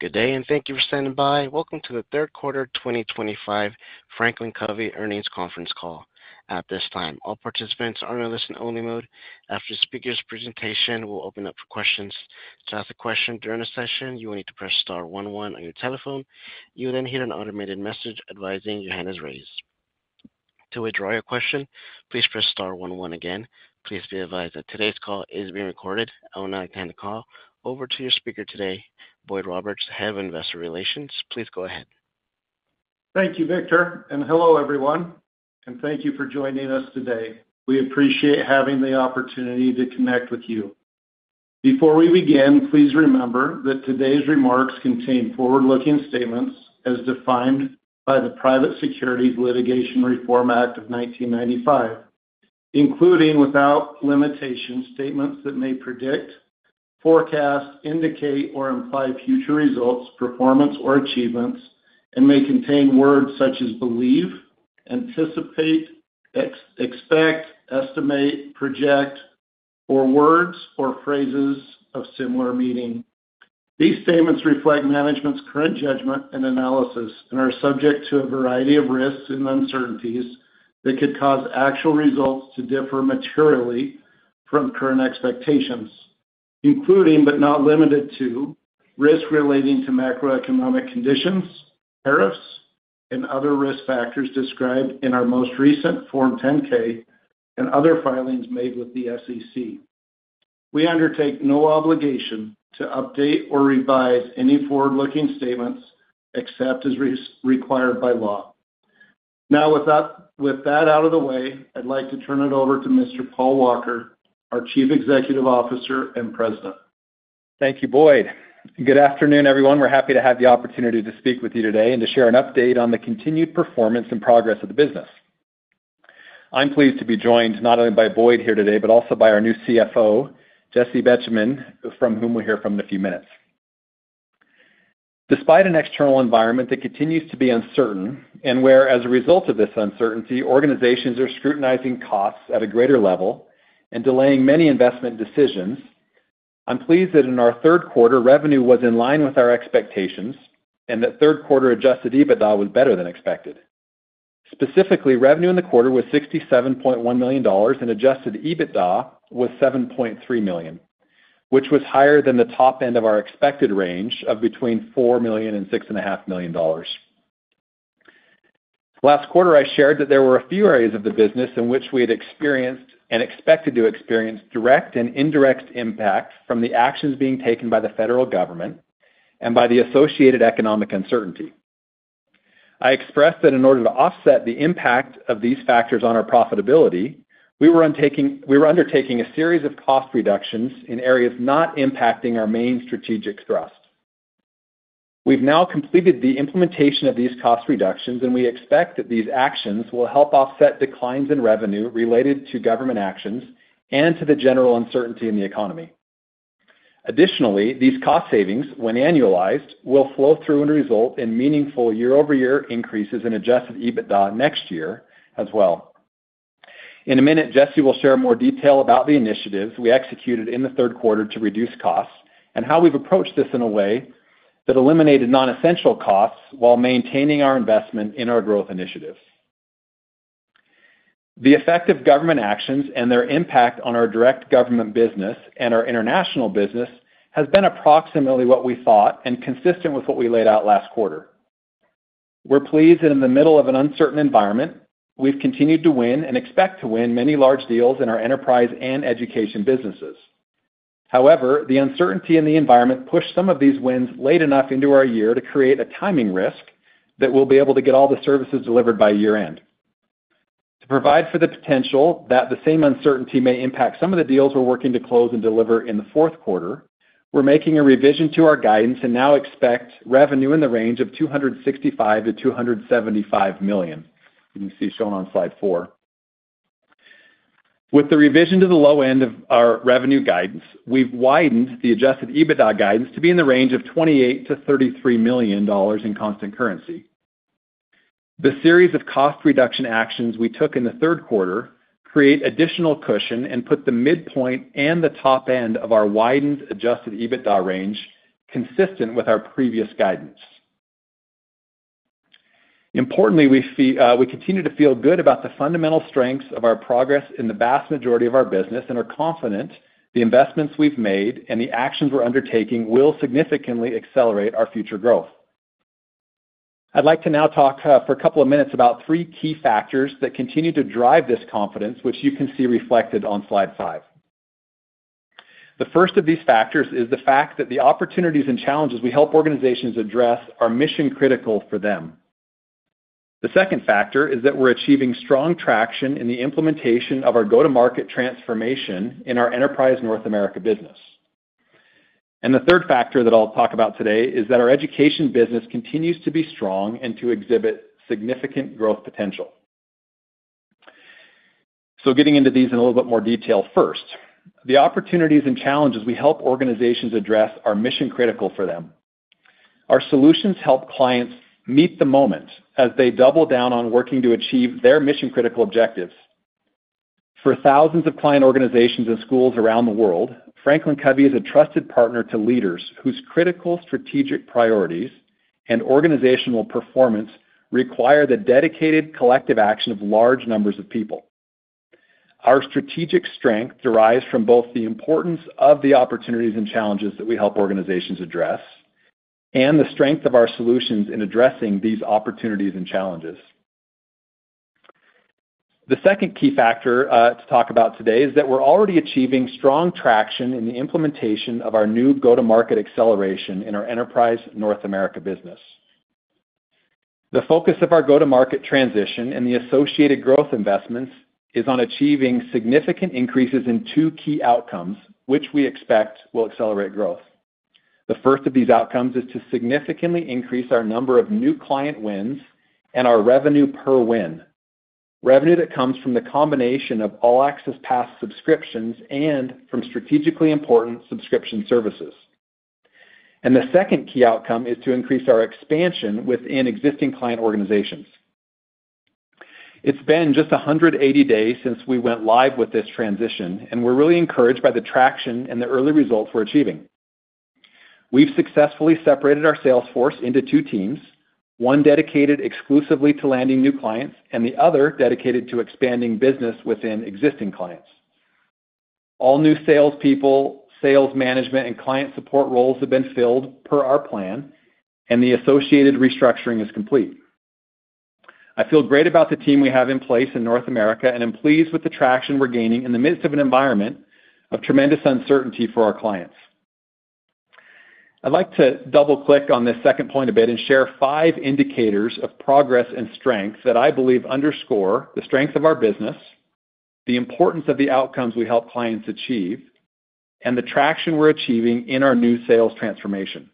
Good day, and thank you for standing by. Welcome to the Third Quarter 2025 Franklin Covey Earnings Conference Call. At this time, all participants are in a listen-only mode. After the speaker's presentation, we'll open up for questions. To ask a question during the session, you will need to press star one one on your telephone. You will then hear an automated message advising your hand is raised. To withdraw your question, please press star one one again. Please be advised that today's call is being recorded. I will now extend the call over to your speaker today, Boyd Roberts, Head of Investor Relations. Please go ahead. Thank you, Victor. Hello, everyone. Thank you for joining us today. We appreciate having the opportunity to connect with you. Before we begin, please remember that today's remarks contain forward-looking statements as defined by the Private Securities Litigation Reform Act of 1995, including without limitation statements that may predict, forecast, indicate, or imply future results, performance, or achievements, and may contain words such as believe, anticipate, expect, estimate, project, or words or phrases of similar meaning. These statements reflect management's current judgment and analysis and are subject to a variety of risks and uncertainties that could cause actual results to differ materially from current expectations, including but not limited to risks relating to macroeconomic conditions, tariffs, and other risk factors described in our most recent Form 10-K and other filings made with the SEC. We undertake no obligation to update or revise any forward-looking statements except as required by law. Now, with that out of the way, I'd like to turn it over to Mr. Paul Walker, our Chief Executive Officer and President. Thank you, Boyd. Good afternoon, everyone. We're happy to have the opportunity to speak with you today and to share an update on the continued performance and progress of the business. I'm pleased to be joined not only by Boyd here today, but also by our new CFO, Jessie Betjemann, from whom we'll hear from in a few minutes. Despite an external environment that continues to be uncertain and where, as a result of this uncertainty, organizations are scrutinizing costs at a greater level and delaying many investment decisions, I'm pleased that in our third quarter, revenue was in line with our expectations and that third-quarter Adjusted EBITDA was better than expected. Specifically, revenue in the quarter was $67.1 million and Adjusted EBITDA was $7.3 million, which was higher than the top end of our expected range of between $4 million and $6.5 million. Last quarter, I shared that there were a few areas of the business in which we had experienced and expected to experience direct and indirect impact from the actions being taken by the federal government and by the associated economic uncertainty. I expressed that in order to offset the impact of these factors on our profitability, we were undertaking a series of cost reductions in areas not impacting our main strategic thrust. We've now completed the implementation of these cost reductions, and we expect that these actions will help offset declines in revenue related to government actions and to the general uncertainty in the economy. Additionally, these cost savings, when annualized, will flow through and result in meaningful year-over-year increases in Adjusted EBITDA next year as well. In a minute, Jessie will share more detail about the initiatives we executed in the third quarter to reduce costs and how we've approached this in a way that eliminated nonessential costs while maintaining our investment in our growth initiatives. The effect of government actions and their impact on our direct government business and our international business has been approximately what we thought and consistent with what we laid out last quarter. We're pleased that in the middle of an uncertain environment, we've continued to win and expect to win many large deals in our enterprise and education businesses. However, the uncertainty in the environment pushed some of these wins late enough into our year to create a timing risk that we'll be able to get all the services delivered by year-end. To provide for the potential that the same uncertainty may impact some of the deals we're working to close and deliver in the fourth quarter, we're making a revision to our guidance and now expect revenue in the range of $265-$275 million, as you see shown on slide four. With the revision to the low end of our revenue guidance, we've widened the Adjusted EBITDA guidance to be in the range of $28-$33 million in constant currency. The series of cost reduction actions we took in the third quarter create additional cushion and put the midpoint and the top end of our widened Adjusted EBITDA range consistent with our previous guidance. Importantly, we continue to feel good about the fundamental strengths of our progress in the vast majority of our business and are confident the investments we've made and the actions we're undertaking will significantly accelerate our future growth. I'd like to now talk for a couple of minutes about three key factors that continue to drive this confidence, which you can see reflected on slide five. The first of these factors is the fact that the opportunities and challenges we help organizations address are mission-critical for them. The second factor is that we're achieving strong traction in the implementation of our go-to-market transformation in our enterprise North America business. The third factor that I'll talk about today is that our education business continues to be strong and to exhibit significant growth potential. Getting into these in a little bit more detail, first, the opportunities and challenges we help organizations address are mission-critical for them. Our solutions help clients meet the moment as they double down on working to achieve their mission-critical objectives. For thousands of client organizations and schools around the world, Franklin Covey is a trusted partner to leaders whose critical strategic priorities and organizational performance require the dedicated collective action of large numbers of people. Our strategic strength derives from both the importance of the opportunities and challenges that we help organizations address and the strength of our solutions in addressing these opportunities and challenges. The second key factor to talk about today is that we're already achieving strong traction in the implementation of our new go-to-market acceleration in our enterprise North America business. The focus of our go-to-market transition and the associated growth investments is on achieving significant increases in two key outcomes, which we expect will accelerate growth. The first of these outcomes is to significantly increase our number of new client wins and our revenue per win, revenue that comes from the combination of All-Access Pass subscriptions and from strategically important subscription services. The second key outcome is to increase our expansion within existing client organizations. It's been just 180 days since we went live with this transition, and we're really encouraged by the traction and the early results we're achieving. We've successfully separated our sales force into two teams: one dedicated exclusively to landing new clients and the other dedicated to expanding business within existing clients. All new salespeople, sales management, and client support roles have been filled per our plan, and the associated restructuring is complete. I feel great about the team we have in place in North America and am pleased with the traction we're gaining in the midst of an environment of tremendous uncertainty for our clients. I'd like to double-click on this second point a bit and share five indicators of progress and strength that I believe underscore the strength of our business, the importance of the outcomes we help clients achieve, and the traction we're achieving in our new sales transformation.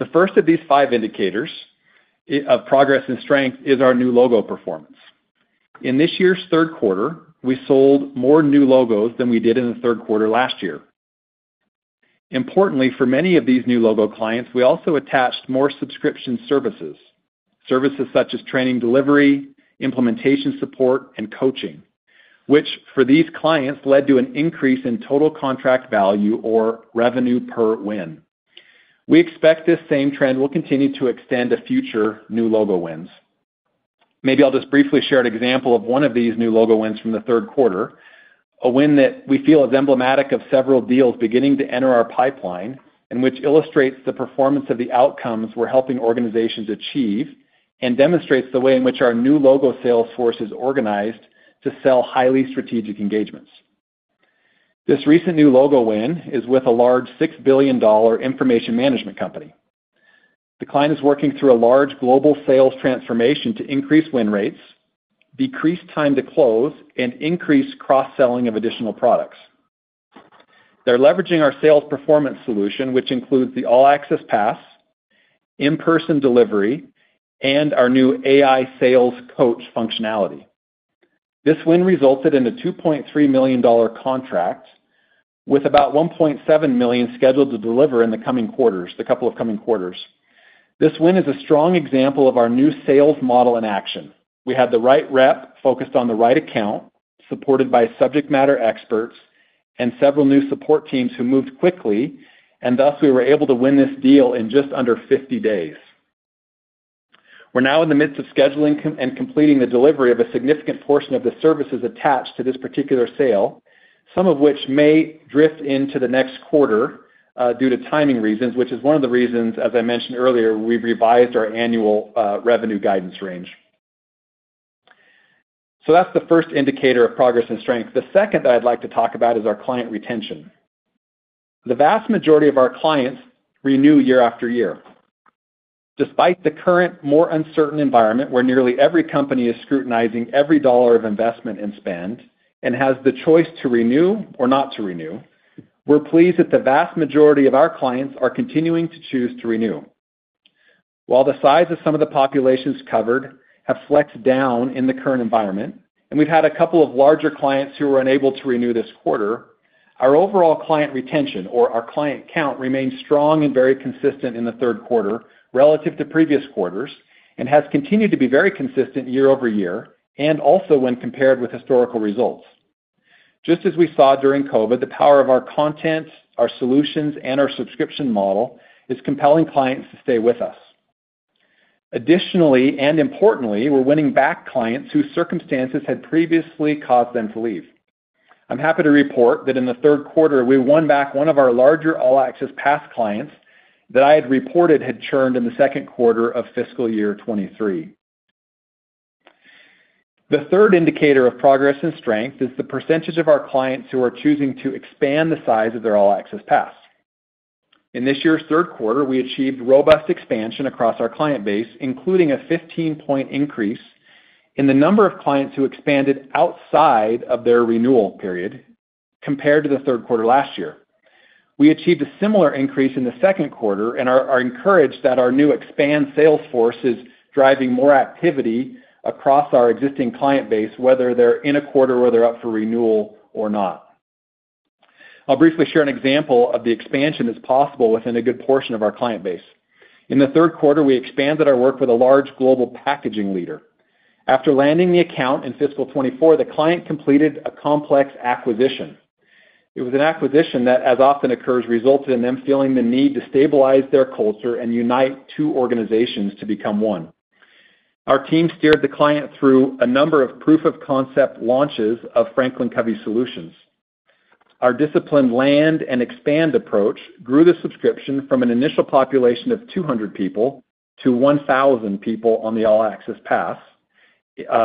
The first of these five indicators of progress and strength is our new logo performance. In this year's third quarter, we sold more new logos than we did in the third quarter last year. Importantly, for many of these new logo clients, we also attached more subscription services, services such as training delivery, implementation support, and coaching, which for these clients led to an increase in total contract value or revenue per win. We expect this same trend will continue to extend to future new logo wins. Maybe I'll just briefly share an example of one of these new logo wins from the third quarter, a win that we feel is emblematic of several deals beginning to enter our pipeline and which illustrates the performance of the outcomes we're helping organizations achieve and demonstrates the way in which our new logo sales force is organized to sell highly strategic engagements. This recent new logo win is with a large $6 billion information management company. The client is working through a large global sales transformation to increase win rates, decrease time to close, and increase cross-selling of additional products. They're leveraging our Sales Performance Solution, which includes the All-Access Pass, in-person delivery, and our new AI Sales Coach functionality. This win resulted in a $2.3 million contract with about $1.7 million scheduled to deliver in the coming quarters, the couple of coming quarters. This win is a strong example of our new sales model in action. We had the right rep focused on the right account, supported by subject matter experts and several new support teams who moved quickly, and thus we were able to win this deal in just under 50 days. We're now in the midst of scheduling and completing the delivery of a significant portion of the services attached to this particular sale, some of which may drift into the next quarter due to timing reasons, which is one of the reasons, as I mentioned earlier, we've revised our annual revenue guidance range. That's the first indicator of progress and strength. The second that I'd like to talk about is our client retention. The vast majority of our clients renew year after year. Despite the current more uncertain environment where nearly every company is scrutinizing every dollar of investment and spend and has the choice to renew or not to renew, we're pleased that the vast majority of our clients are continuing to choose to renew. While the size of some of the populations covered have flexed down in the current environment, and we've had a couple of larger clients who were unable to renew this quarter, our overall client retention or our client count remained strong and very consistent in the third quarter relative to previous quarters and has continued to be very consistent year over year and also when compared with historical results. Just as we saw during COVID, the power of our content, our solutions, and our subscription model is compelling clients to stay with us. Additionally and importantly, we're winning back clients whose circumstances had previously caused them to leave. I'm happy to report that in the third quarter, we won back one of our larger All-Access Pass clients that I had reported had churned in the second quarter of fiscal year 2023. The third indicator of progress and strength is the % of our clients who are choosing to expand the size of their All-Access Pass. In this year's third quarter, we achieved robust expansion across our client base, including a 15 percentage point increase in the number of clients who expanded outside of their renewal period compared to the third quarter last year. We achieved a similar increase in the second quarter and are encouraged that our new expand sales force is driving more activity across our existing client base, whether they're in a quarter or they're up for renewal or not. I'll briefly share an example of the expansion that's possible within a good portion of our client base. In the third quarter, we expanded our work with a large global packaging leader. After landing the account in fiscal 2024, the client completed a complex acquisition. It was an acquisition that, as often occurs, resulted in them feeling the need to stabilize their culture and unite two organizations to become one. Our team steered the client through a number of proof-of-concept launches of Franklin Covey Solutions. Our disciplined land and expand approach grew the subscription from an initial population of 200 people to 1,000 people on the All-Access Pass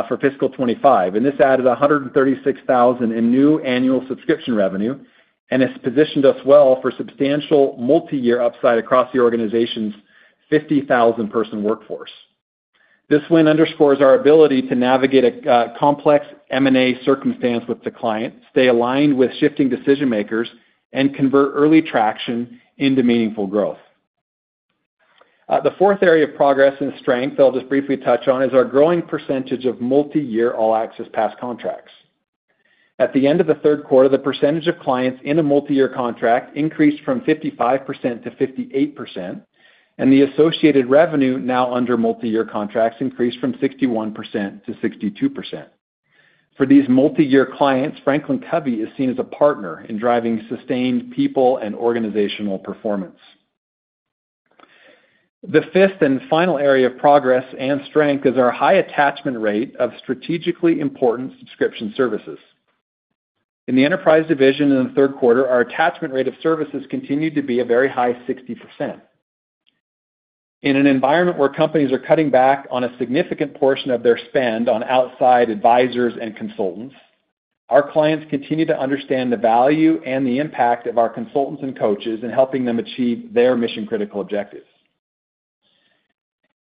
for fiscal 2025. This added $136,000 in new annual subscription revenue and has positioned us well for substantial multi-year upside across the organization's 50,000-person workforce. This win underscores our ability to navigate a complex M&A circumstance with the client, stay aligned with shifting decision-makers, and convert early traction into meaningful growth. The fourth area of progress and strength that I'll just briefly touch on is our growing % of multi-year All-Access Pass contracts. At the end of the third quarter, the % of clients in a multi-year contract increased from 55% to 58%, and the associated revenue now under multi-year contracts increased from 61% to 62%. For these multi-year clients, Franklin Covey is seen as a partner in driving sustained people and organizational performance. The fifth and final area of progress and strength is our high attachment rate of strategically important subscription services. In the enterprise division in the third quarter, our attachment rate of services continued to be a very high 60%. In an environment where companies are cutting back on a significant portion of their spend on outside advisors and consultants, our clients continue to understand the value and the impact of our consultants and coaches in helping them achieve their mission-critical objectives.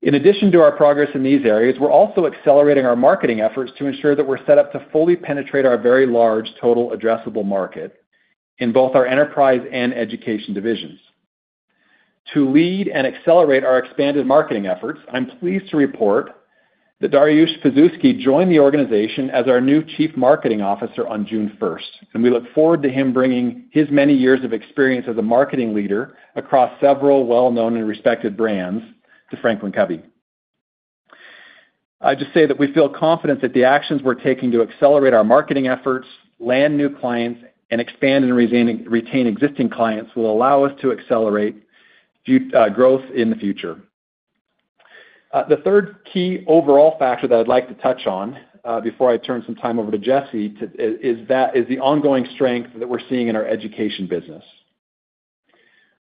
In addition to our progress in these areas, we're also accelerating our marketing efforts to ensure that we're set up to fully penetrate our very large total addressable market in both our enterprise and education divisions. To lead and accelerate our expanded marketing efforts, I'm pleased to report that Dariush Pazuzki joined the organization as our new Chief Marketing Officer on June 1, and we look forward to him bringing his many years of experience as a marketing leader across several well-known and respected brands to Franklin Covey. I just say that we feel confident that the actions we're taking to accelerate our marketing efforts, land new clients, and expand and retain existing clients will allow us to accelerate growth in the future. The third key overall factor that I'd like to touch on before I turn some time over to Jessie is the ongoing strength that we're seeing in our education business.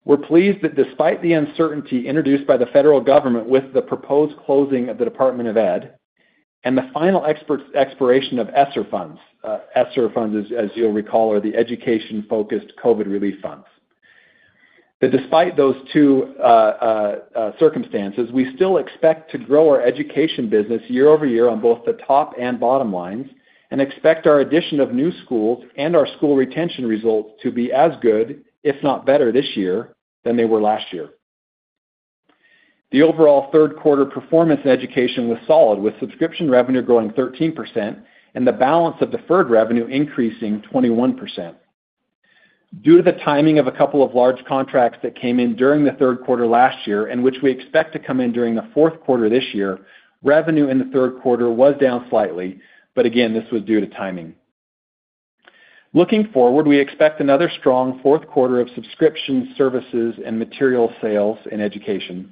We're pleased that despite the uncertainty introduced by the federal government with the proposed closing of the Department of Ed and the final expiration of ESSER funds, ESSER funds, as you'll recall, are the education-focused COVID relief funds. Despite those two circumstances, we still expect to grow our education business year over year on both the top and bottom lines and expect our addition of new schools and our school retention results to be as good, if not better, this year than they were last year. The overall third quarter performance in education was solid, with subscription revenue growing 13% and the balance of deferred revenue increasing 21%. Due to the timing of a couple of large contracts that came in during the third quarter last year and which we expect to come in during the fourth quarter this year, revenue in the third quarter was down slightly, but again, this was due to timing. Looking forward, we expect another strong fourth quarter of subscription services and material sales in education.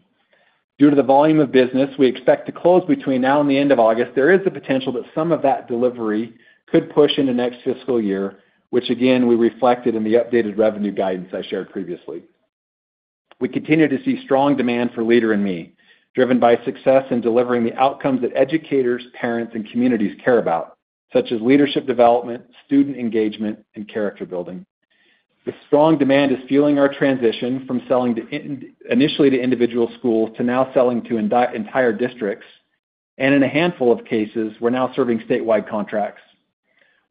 Due to the volume of business, we expect to close between now and the end of August. There is the potential that some of that delivery could push into next fiscal year, which again, we reflected in the updated revenue guidance I shared previously. We continue to see strong demand for Leader in Me, driven by success in delivering the outcomes that educators, parents, and communities care about, such as leadership development, student engagement, and character building. The strong demand is fueling our transition from selling initially to individual schools to now selling to entire districts, and in a handful of cases, we're now serving statewide contracts.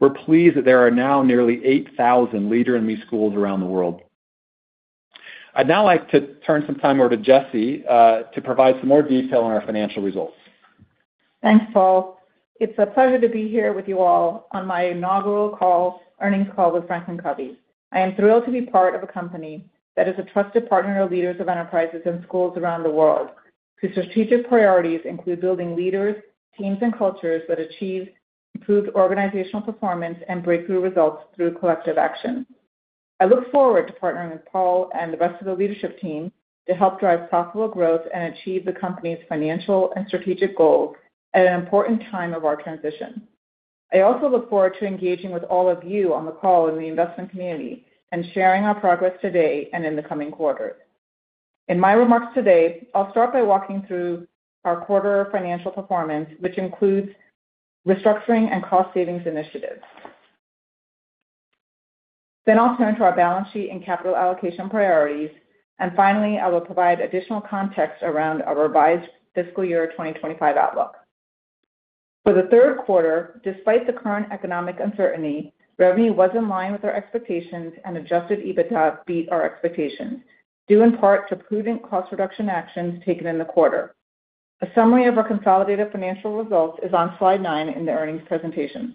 We're pleased that there are now nearly 8,000 Leader in Me schools around the world. I'd now like to turn some time over to Jessie to provide some more detail on our financial results. Thanks, Paul. It's a pleasure to be here with you all on my inaugural earnings call with Franklin Covey. I am thrilled to be part of a company that is a trusted partner of leaders of enterprises and schools around the world whose strategic priorities include building leaders, teams, and cultures that achieve improved organizational performance and breakthrough results through collective action. I look forward to partnering with Paul and the rest of the leadership team to help drive profitable growth and achieve the company's financial and strategic goals at an important time of our transition. I also look forward to engaging with all of you on the call in the investment community and sharing our progress today and in the coming quarters. In my remarks today, I'll start by walking through our quarter financial performance, which includes restructuring and cost-savings initiatives. I will turn to our balance sheet and capital allocation priorities, and finally, I will provide additional context around our revised fiscal year 2025 outlook. For the third quarter, despite the current economic uncertainty, revenue was in line with our expectations, and Adjusted EBITDA beat our expectations due in part to prudent cost-reduction actions taken in the quarter. A summary of our consolidated financial results is on slide nine in the earnings presentation.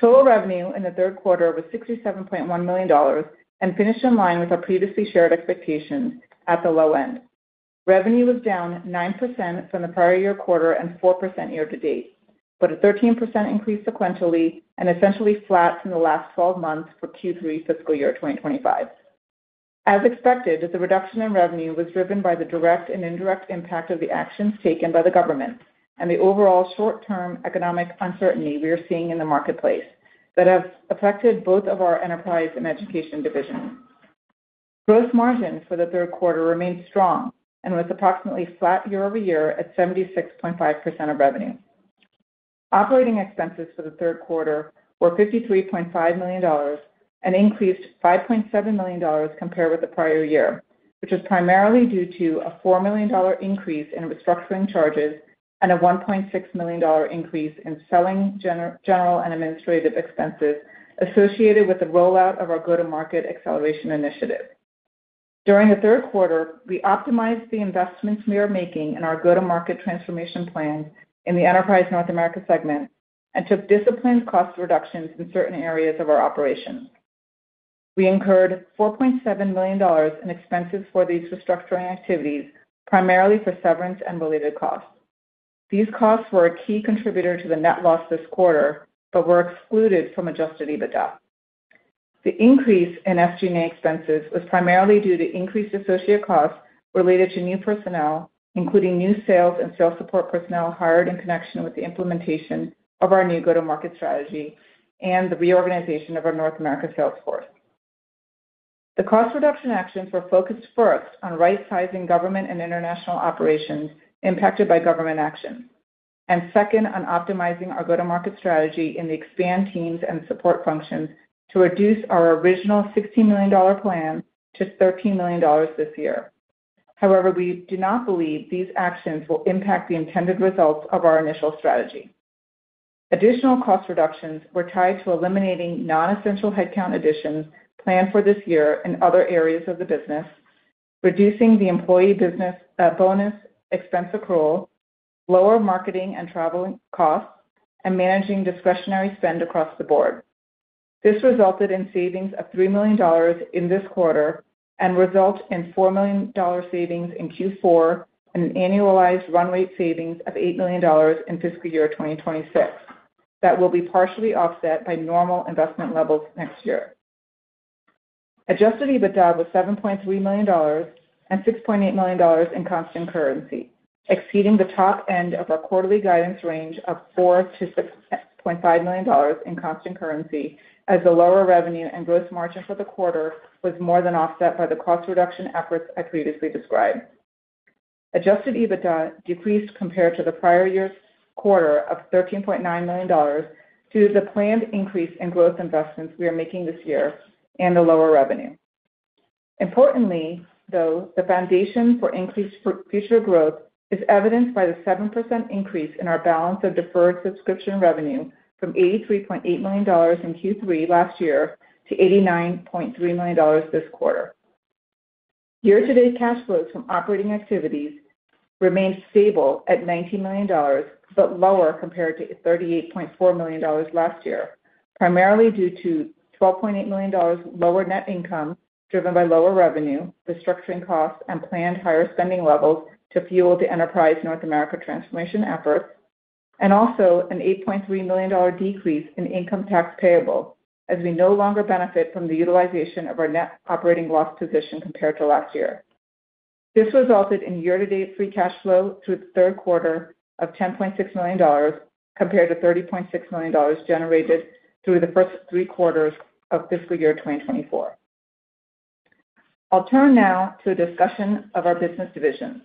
Total revenue in the third quarter was $67.1 million and finished in line with our previously shared expectations at the low end. Revenue was down 9% from the prior year quarter and 4% year to date, but a 13% increase sequentially and essentially flat from the last 12 months for Q3 fiscal year 2025. As expected, the reduction in revenue was driven by the direct and indirect impact of the actions taken by the government and the overall short-term economic uncertainty we are seeing in the marketplace that have affected both of our enterprise and education divisions. Gross margin for the third quarter remained strong and was approximately flat year-over-year at 76.5% of revenue. Operating expenses for the third quarter were $53.5 million and increased $5.7 million compared with the prior year, which is primarily due to a $4 million increase in restructuring charges and a $1.6 million increase in selling, general, and administrative expenses associated with the rollout of our go-to-market acceleration initiative. During the third quarter, we optimized the investments we are making in our go-to-market transformation plan in the enterprise North America segment and took disciplined cost reductions in certain areas of our operation. We incurred $4.7 million in expenses for these restructuring activities, primarily for severance and related costs. These costs were a key contributor to the net loss this quarter but were excluded from Adjusted EBITDA. The increase in SG&A expenses was primarily due to increased associated costs related to new personnel, including new sales and sales support personnel hired in connection with the implementation of our new go-to-market strategy and the reorganization of our North America sales force. The cost reduction actions were focused first on right-sizing government and international operations impacted by government action and second on optimizing our go-to-market strategy in the expand teams and support functions to reduce our original $60 million plan to $13 million this year. However, we do not believe these actions will impact the intended results of our initial strategy. Additional cost reductions were tied to eliminating non-essential headcount additions planned for this year in other areas of the business, reducing the employee business bonus expense accrual, lower marketing and traveling costs, and managing discretionary spend across the board. This resulted in savings of $3 million in this quarter and resulted in $4 million savings in Q4 and annualized run rate savings of $8 million in fiscal year 2026 that will be partially offset by normal investment levels next year. Adjusted EBITDA was $7.3 million and $6.8 million in constant currency, exceeding the top end of our quarterly guidance range of $4-$6.5 million in constant currency as the lower revenue and gross margin for the quarter was more than offset by the cost reduction efforts I previously described. Adjusted EBITDA decreased compared to the prior year's quarter of $13.9 million due to the planned increase in gross investments we are making this year and the lower revenue. Importantly, though, the foundation for increased future growth is evidenced by the 7% increase in our balance of deferred subscription revenue from $83.8 million in Q3 last year to $89.3 million this quarter. Year-to-date cash flows from operating activities remained stable at $19 million but lower compared to $38.4 million last year, primarily due to $12.8 million lower net income driven by lower revenue, restructuring costs, and planned higher spending levels to fuel the enterprise North America transformation efforts, and also an $8.3 million decrease in income tax payable as we no longer benefit from the utilization of our net operating loss position compared to last year. This resulted in year-to-date free cash flow through the third quarter of $10.6 million compared to $30.6 million generated through the first three quarters of fiscal year 2024. I'll turn now to a discussion of our business divisions.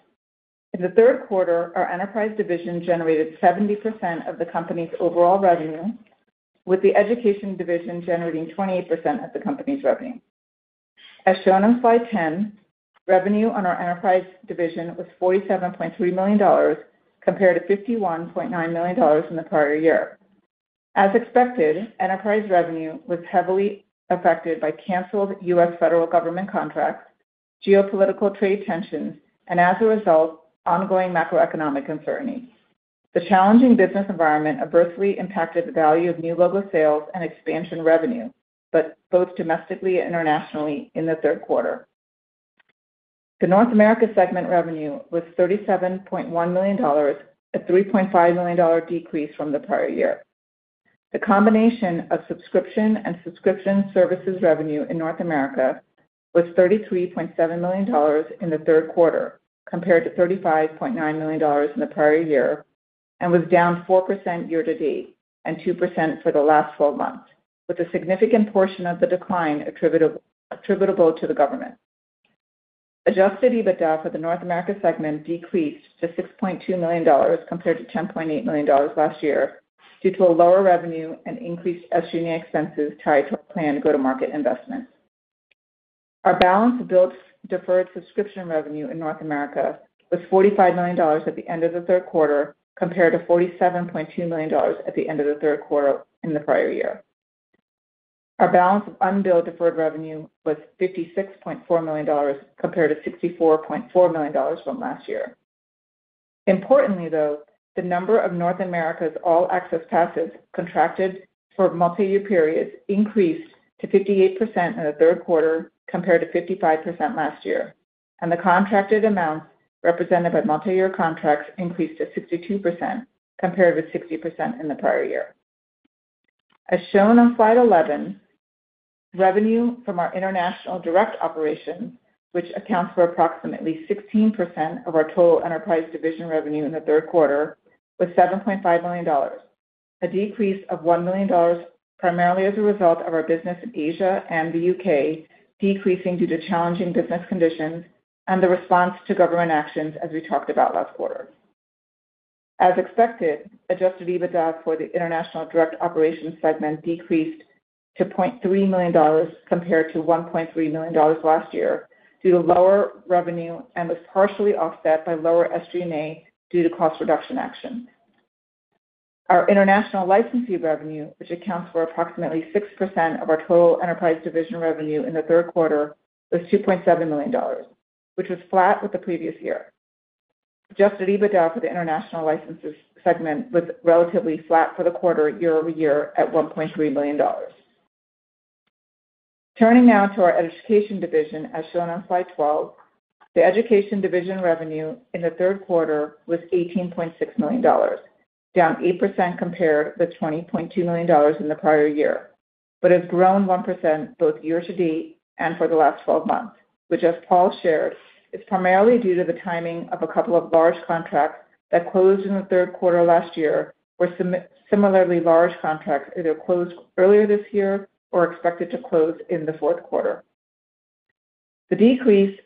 In the third quarter, our enterprise division generated 70% of the company's overall revenue, with the education division generating 28% of the company's revenue. As shown on slide 10, revenue on our enterprise division was $47.3 million compared to $51.9 million in the prior year. As expected, enterprise revenue was heavily affected by canceled U.S. federal government contracts, geopolitical trade tensions, and as a result, ongoing macroeconomic uncertainty. The challenging business environment adversely impacted the value of new local sales and expansion revenue, both domestically and internationally, in the third quarter. The North America segment revenue was $37.1 million, a $3.5 million decrease from the prior year. The combination of subscription and subscription services revenue in North America was $33.7 million in the third quarter compared to $35.9 million in the prior year and was down 4% year to date and 2% for the last 12 months, with a significant portion of the decline attributable to the government. Adjusted EBITDA for the North America segment decreased to $6.2 million compared to $10.8 million last year due to a lower revenue and increased SG&A expenses tied to our planned go-to-market investments. Our balance of billed deferred subscription revenue in North America was $45 million at the end of the third quarter compared to $47.2 million at the end of the third quarter in the prior year. Our balance of unbilled deferred revenue was $56.4 million compared to $64.4 million from last year. Importantly, though, the number of North America's All-Access Passes contracted for multi-year periods increased to 58% in the third quarter compared to 55% last year, and the contracted amounts represented by multi-year contracts increased to 62% compared with 60% in the prior year. As shown on slide 11, revenue from our international direct operations, which accounts for approximately 16% of our total enterprise division revenue in the third quarter, was $7.5 million, a decrease of $1 million primarily as a result of our business in Asia and the U.K. decreasing due to challenging business conditions and the response to government actions as we talked about last quarter. As expected, Adjusted EBITDA for the international direct operations segment decreased to $0.3 million compared to $1.3 million last year due to lower revenue and was partially offset by lower SG&A due to cost reduction actions. Our international licensee revenue, which accounts for approximately 6% of our total enterprise division revenue in the third quarter, was $2.7 million, which was flat with the previous year. Adjusted EBITDA for the international licensees segment was relatively flat for the quarter year-over-year at $1.3 million. Turning now to our education division, as shown on slide 12, the education division revenue in the third quarter was $18.6 million, down 8% compared with $20.2 million in the prior year, but has grown 1% both year to date and for the last 12 months, which, as Paul shared, is primarily due to the timing of a couple of large contracts that closed in the third quarter last year, where similarly large contracts either closed earlier this year or are expected to close in the fourth quarter. The decrease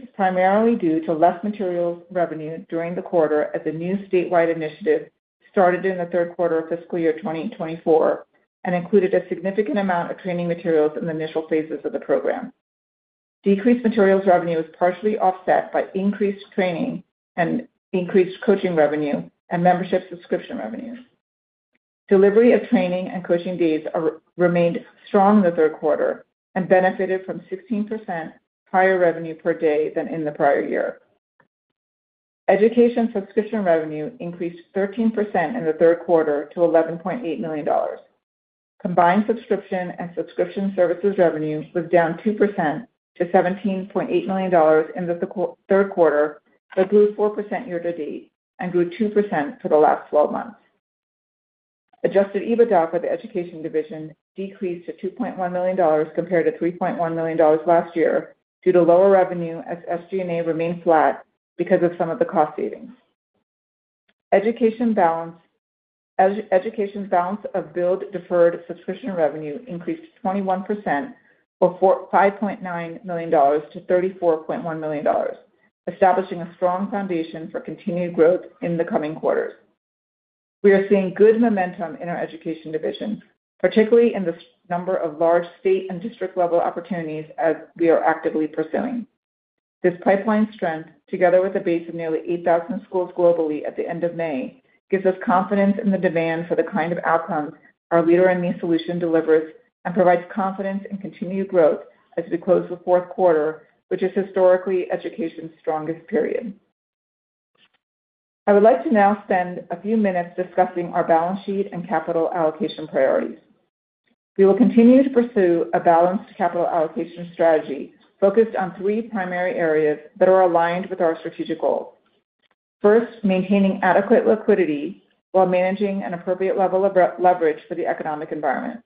is primarily due to less materials revenue during the quarter as the new statewide initiative started in the third quarter of fiscal year 2024 and included a significant amount of training materials in the initial phases of the program. Decreased materials revenue was partially offset by increased training and increased coaching revenue and membership subscription revenue. Delivery of training and coaching days remained strong in the third quarter and benefited from 16% higher revenue per day than in the prior year. Education subscription revenue increased 13% in the third quarter to $11.8 million. Combined subscription and subscription services revenue was down 2% to $17.8 million in the third quarter, but grew 4% year-to-date and grew 2% for the last 12 months. Adjusted EBITDA for the education division decreased to $2.1 million compared to $3.1 million last year due to lower revenue as SG&A remained flat because of some of the cost savings. Education balance of billed deferred subscription revenue increased 21% from $5.9 million to $34.1 million, establishing a strong foundation for continued growth in the coming quarters. We are seeing good momentum in our education division, particularly in the number of large state and district-level opportunities as we are actively pursuing. This pipeline strength, together with a base of nearly 8,000 schools globally at the end of May, gives us confidence in the demand for the kind of outcomes our Leader in Me solution delivers and provides confidence in continued growth as we close the fourth quarter, which is historically education's strongest period. I would like to now spend a few minutes discussing our balance sheet and capital allocation priorities. We will continue to pursue a balanced capital allocation strategy focused on three primary areas that are aligned with our strategic goals. First, maintaining adequate liquidity while managing an appropriate level of leverage for the economic environment.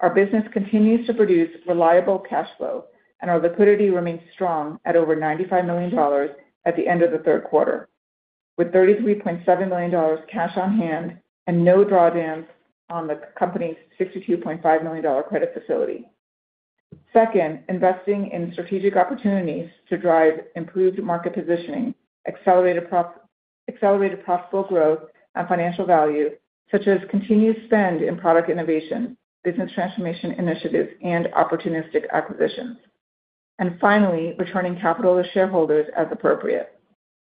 Our business continues to produce reliable cash flow, and our liquidity remains strong at over $95 million at the end of the third quarter, with $33.7 million cash on hand and no drawdowns on the company's $62.5 million credit facility. Second, investing in strategic opportunities to drive improved market positioning, accelerated profitable growth, and financial value, such as continued spend in product innovation, business transformation initiatives, and opportunistic acquisitions. Finally, returning capital to shareholders as appropriate.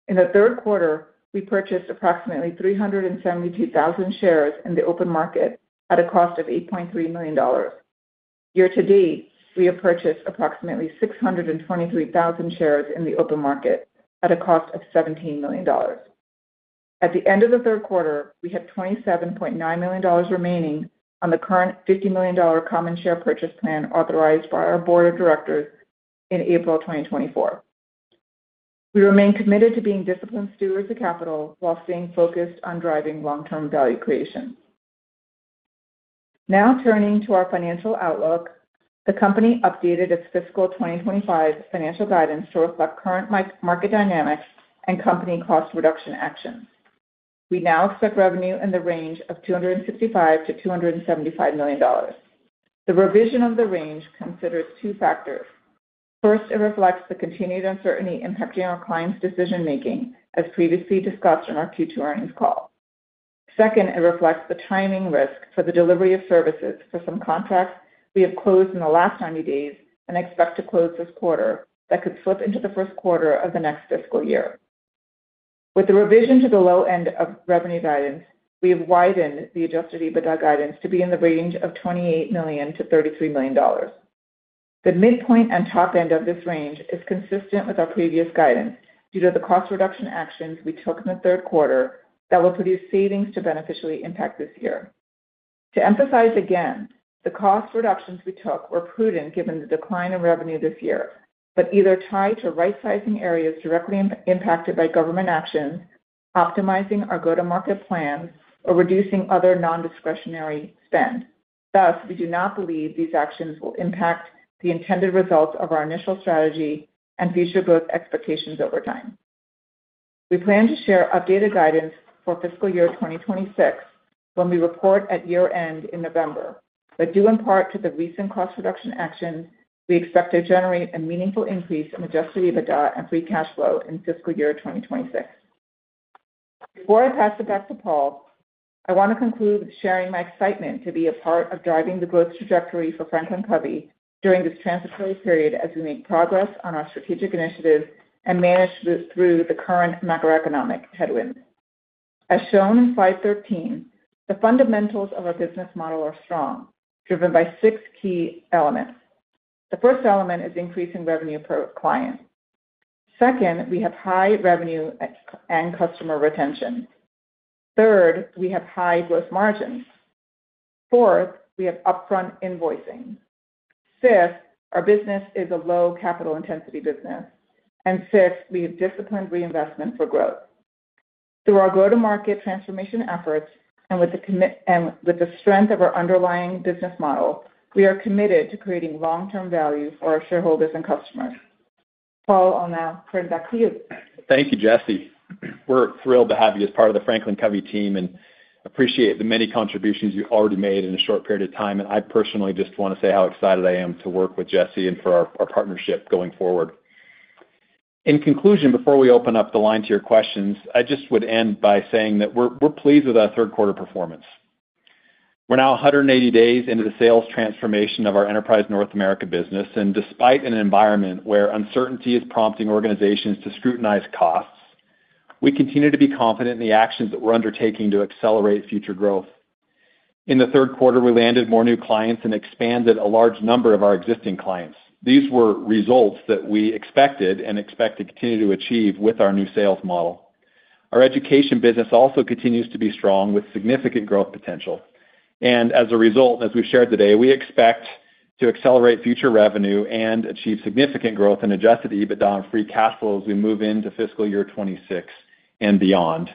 In the third quarter, we purchased approximately 372,000 shares in the open market at a cost of $8.3 million. Year-to-date, we have purchased approximately 623,000 shares in the open market at a cost of $17 million. At the end of the third quarter, we had $27.9 million remaining on the current $50 million common share purchase plan authorized by our board of directors in April 2024. We remain committed to being disciplined stewards of capital while staying focused on driving long-term value creation. Now turning to our financial outlook, the company updated its fiscal 2025 financial guidance to reflect current market dynamics and company cost reduction actions. We now expect revenue in the range of $265 million-$275 million. The revision of the range considers two factors. First, it reflects the continued uncertainty impacting our clients' decision-making, as previously discussed in our Q2 earnings call. Second, it reflects the timing risk for the delivery of services for some contracts we have closed in the last 90 days and expect to close this quarter that could slip into the first quarter of the next fiscal year. With the revision to the low end of revenue guidance, we have widened the Adjusted EBITDA guidance to be in the range of $28 million-$33 million. The midpoint and top end of this range is consistent with our previous guidance due to the cost reduction actions we took in the third quarter that will produce savings to beneficially impact this year. To emphasize again, the cost reductions we took were prudent given the decline in revenue this year, but either tied to right-sizing areas directly impacted by government actions, optimizing our go-to-market plans, or reducing other non-discretionary spend. Thus, we do not believe these actions will impact the intended results of our initial strategy and future growth expectations over time. We plan to share updated guidance for fiscal year 2026 when we report at year-end in November, but due in part to the recent cost reduction actions, we expect to generate a meaningful increase in Adjusted EBITDA and free cash flow in fiscal year 2026. Before I pass it back to Paul, I want to conclude with sharing my excitement to be a part of driving the growth trajectory for Franklin Covey during this transitory period as we make progress on our strategic initiatives and manage through the current macroeconomic headwinds. As shown in slide 13, the fundamentals of our business model are strong, driven by six key elements. The first element is increasing revenue per client. Second, we have high revenue and customer retention. Third, we have high gross margins. Fourth, we have upfront invoicing. Fifth, our business is a low capital intensity business. Sixth, we have disciplined reinvestment for growth. Through our go-to-market transformation efforts and with the strength of our underlying business model, we are committed to creating long-term value for our shareholders and customers. Paul, I'll now turn it back to you. Thank you, Jessie. We're thrilled to have you as part of the Franklin Covey team and appreciate the many contributions you've already made in a short period of time. I personally just want to say how excited I am to work with Jessie and for our partnership going forward. In conclusion, before we open up the line to your questions, I just would end by saying that we're pleased with our third quarter performance. We're now 180 days into the sales transformation of our enterprise North America business. Despite an environment where uncertainty is prompting organizations to scrutinize costs, we continue to be confident in the actions that we're undertaking to accelerate future growth. In the third quarter, we landed more new clients and expanded a large number of our existing clients. These were results that we expected and expect to continue to achieve with our new sales model. Our education business also continues to be strong with significant growth potential. As a result, as we've shared today, we expect to accelerate future revenue and achieve significant growth in Adjusted EBITDA and free cash flow as we move into fiscal year 2026 and beyond.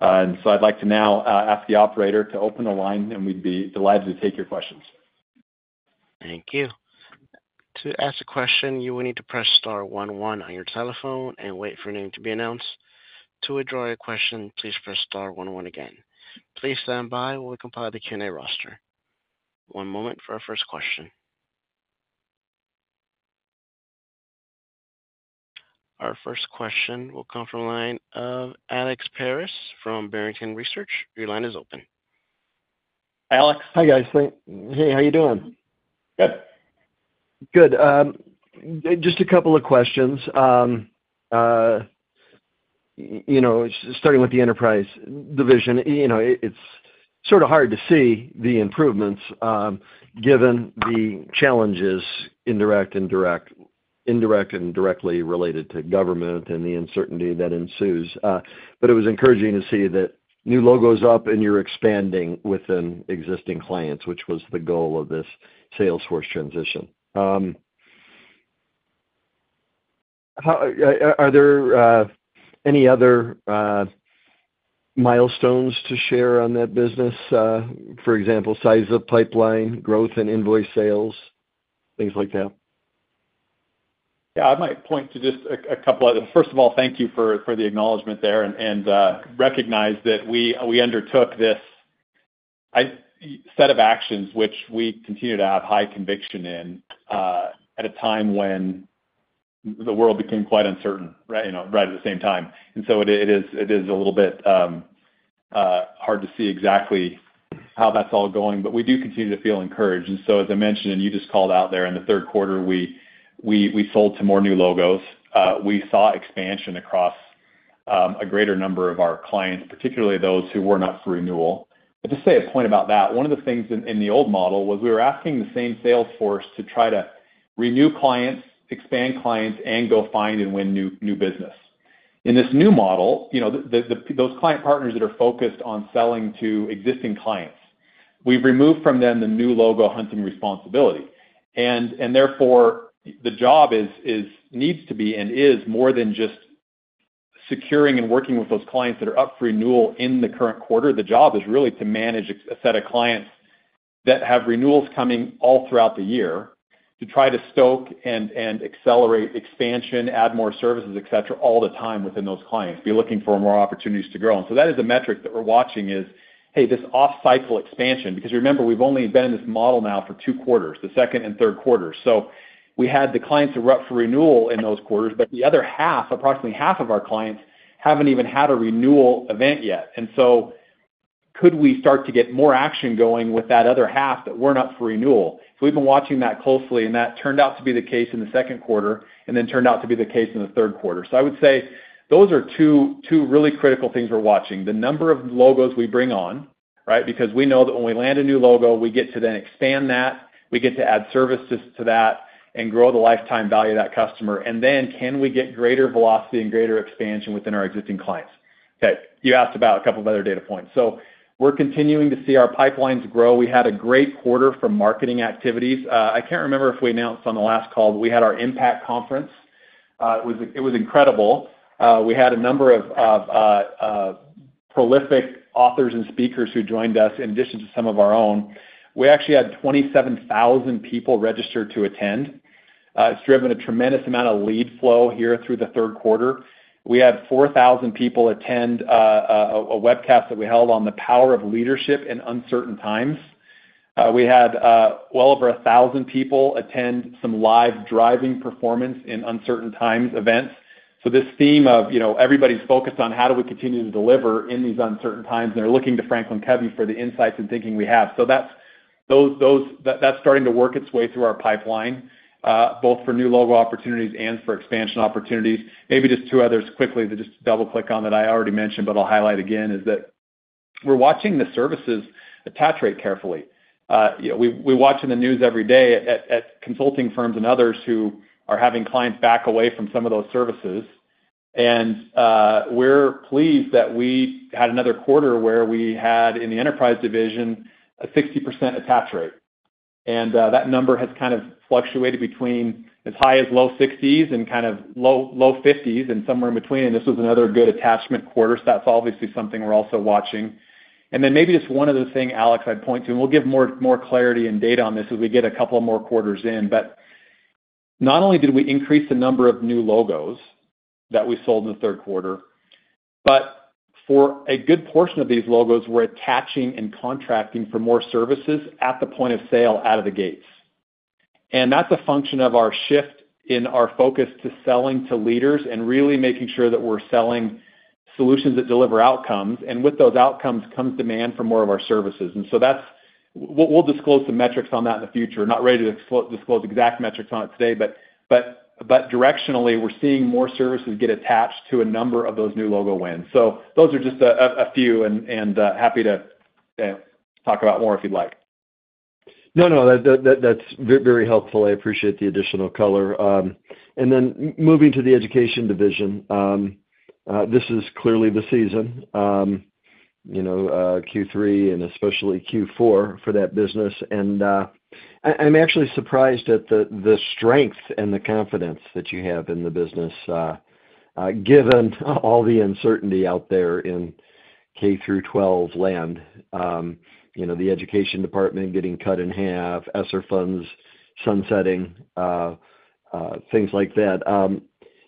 I'd like to now ask the operator to open the line, and we'd be delighted to take your questions. Thank you. To ask a question, you will need to press star one one on your telephone and wait for your name to be announced. To withdraw your question, please press star one one again. Please stand by while we compile the Q&A roster. One moment for our first question. Our first question will come from the line of Alex Paris from Barrington Research. Your line is open. Hi it's Alex. Hi, guys. How are you doing? Good. Good. Just a couple of questions. Starting with the enterprise division, it's sort of hard to see the improvements given the challenges indirect and directly related to government and the uncertainty that ensues. But it was encouraging to see that new logos up and you're expanding within existing clients, which was the goal of this Salesforce transition. Are there any other milestones to share on that business? For example, size of pipeline, growth in invoice sales, things like that? Yeah, I might point to just a couple of those. First of all, thank you for the acknowledgment there and recognize that we undertook this set of actions, which we continue to have high conviction in at a time when the world became quite uncertain right at the same time. It is a little bit hard to see exactly how that's all going, but we do continue to feel encouraged. As I mentioned, and you just called out there, in the third quarter, we sold to more new logos. We saw expansion across a greater number of our clients, particularly those who were not for renewal. To say a point about that, one of the things in the old model was we were asking the same Salesforce to try to renew clients, expand clients, and go find and win new business. In this new model, those client partners that are focused on selling to existing clients, we've removed from them the new logo hunting responsibility. Therefore, the job needs to be and is more than just securing and working with those clients that are up for renewal in the current quarter. The job is really to manage a set of clients that have renewals coming all throughout the year to try to stoke and accelerate expansion, add more services, et cetera., all the time within those clients, be looking for more opportunities to grow. That is a metric that we're watching is, hey, this off-cycle expansion, because remember, we've only been in this model now for two quarters, the second and third quarters. We had the clients who were up for renewal in those quarters, but the other half, approximately half of our clients, haven't even had a renewal event yet. Could we start to get more action going with that other half that weren't up for renewal? We've been watching that closely, and that turned out to be the case in the second quarter and then turned out to be the case in the third quarter. I would say those are two really critical things we're watching. The number of logos we bring on, right, because we know that when we land a new logo, we get to then expand that, we get to add services to that and grow the lifetime value of that customer. Can we get greater velocity and greater expansion within our existing clients? Okay. You asked about a couple of other data points. We're continuing to see our pipelines grow. We had a great quarter for marketing activities. I can't remember if we announced on the last call, but we had our impact conference. It was incredible. We had a number of prolific authors and speakers who joined us in addition to some of our own. We actually had 27,000 people register to attend. It's driven a tremendous amount of lead flow here through the third quarter. We had 4,000 people attend a webcast that we held on the power of leadership in uncertain times. We had well over 1,000 people attend some live driving performance in uncertain times events. This theme of everybody's focused on how do we continue to deliver in these uncertain times, and they're looking to Franklin Covey for the insights and thinking we have. That's starting to work its way through our pipeline, both for new logo opportunities and for expansion opportunities. Maybe just two others quickly to just double-click on that I already mentioned, but I'll highlight again is that we're watching the services attach rate carefully. We watch in the news every day at consulting firms and others who are having clients back away from some of those services. We're pleased that we had another quarter where we had, in the enterprise division, a 60% attach rate. That number has kind of fluctuated between as high as low 60s and kind of low 50s and somewhere in between. This was another good attachment quarter. That is obviously something we are also watching. Maybe just one other thing, Alex, I would point to, and we will give more clarity and data on this as we get a couple more quarters in. Not only did we increase the number of new logos that we sold in the third quarter, but for a good portion of these logos, we are attaching and contracting for more services at the point of sale out of the gates. That is a function of our shift in our focus to selling to leaders and really making sure that we are selling solutions that deliver outcomes. With those outcomes comes demand for more of our services. We'll disclose the metrics on that in the future. We're not ready to disclose exact metrics on it today, but directionally, we're seeing more services get attached to a number of those new logo wins. Those are just a few, and happy to talk about more if you'd like. No, no, that's very helpful. I appreciate the additional color. Moving to the education division, this is clearly the season, Q3 and especially Q4 for that business. I'm actually surprised at the strength and the confidence that you have in the business, given all the uncertainty out there in K through 12 land, the education department getting cut in half, ESSER funds sunsetting, things like that.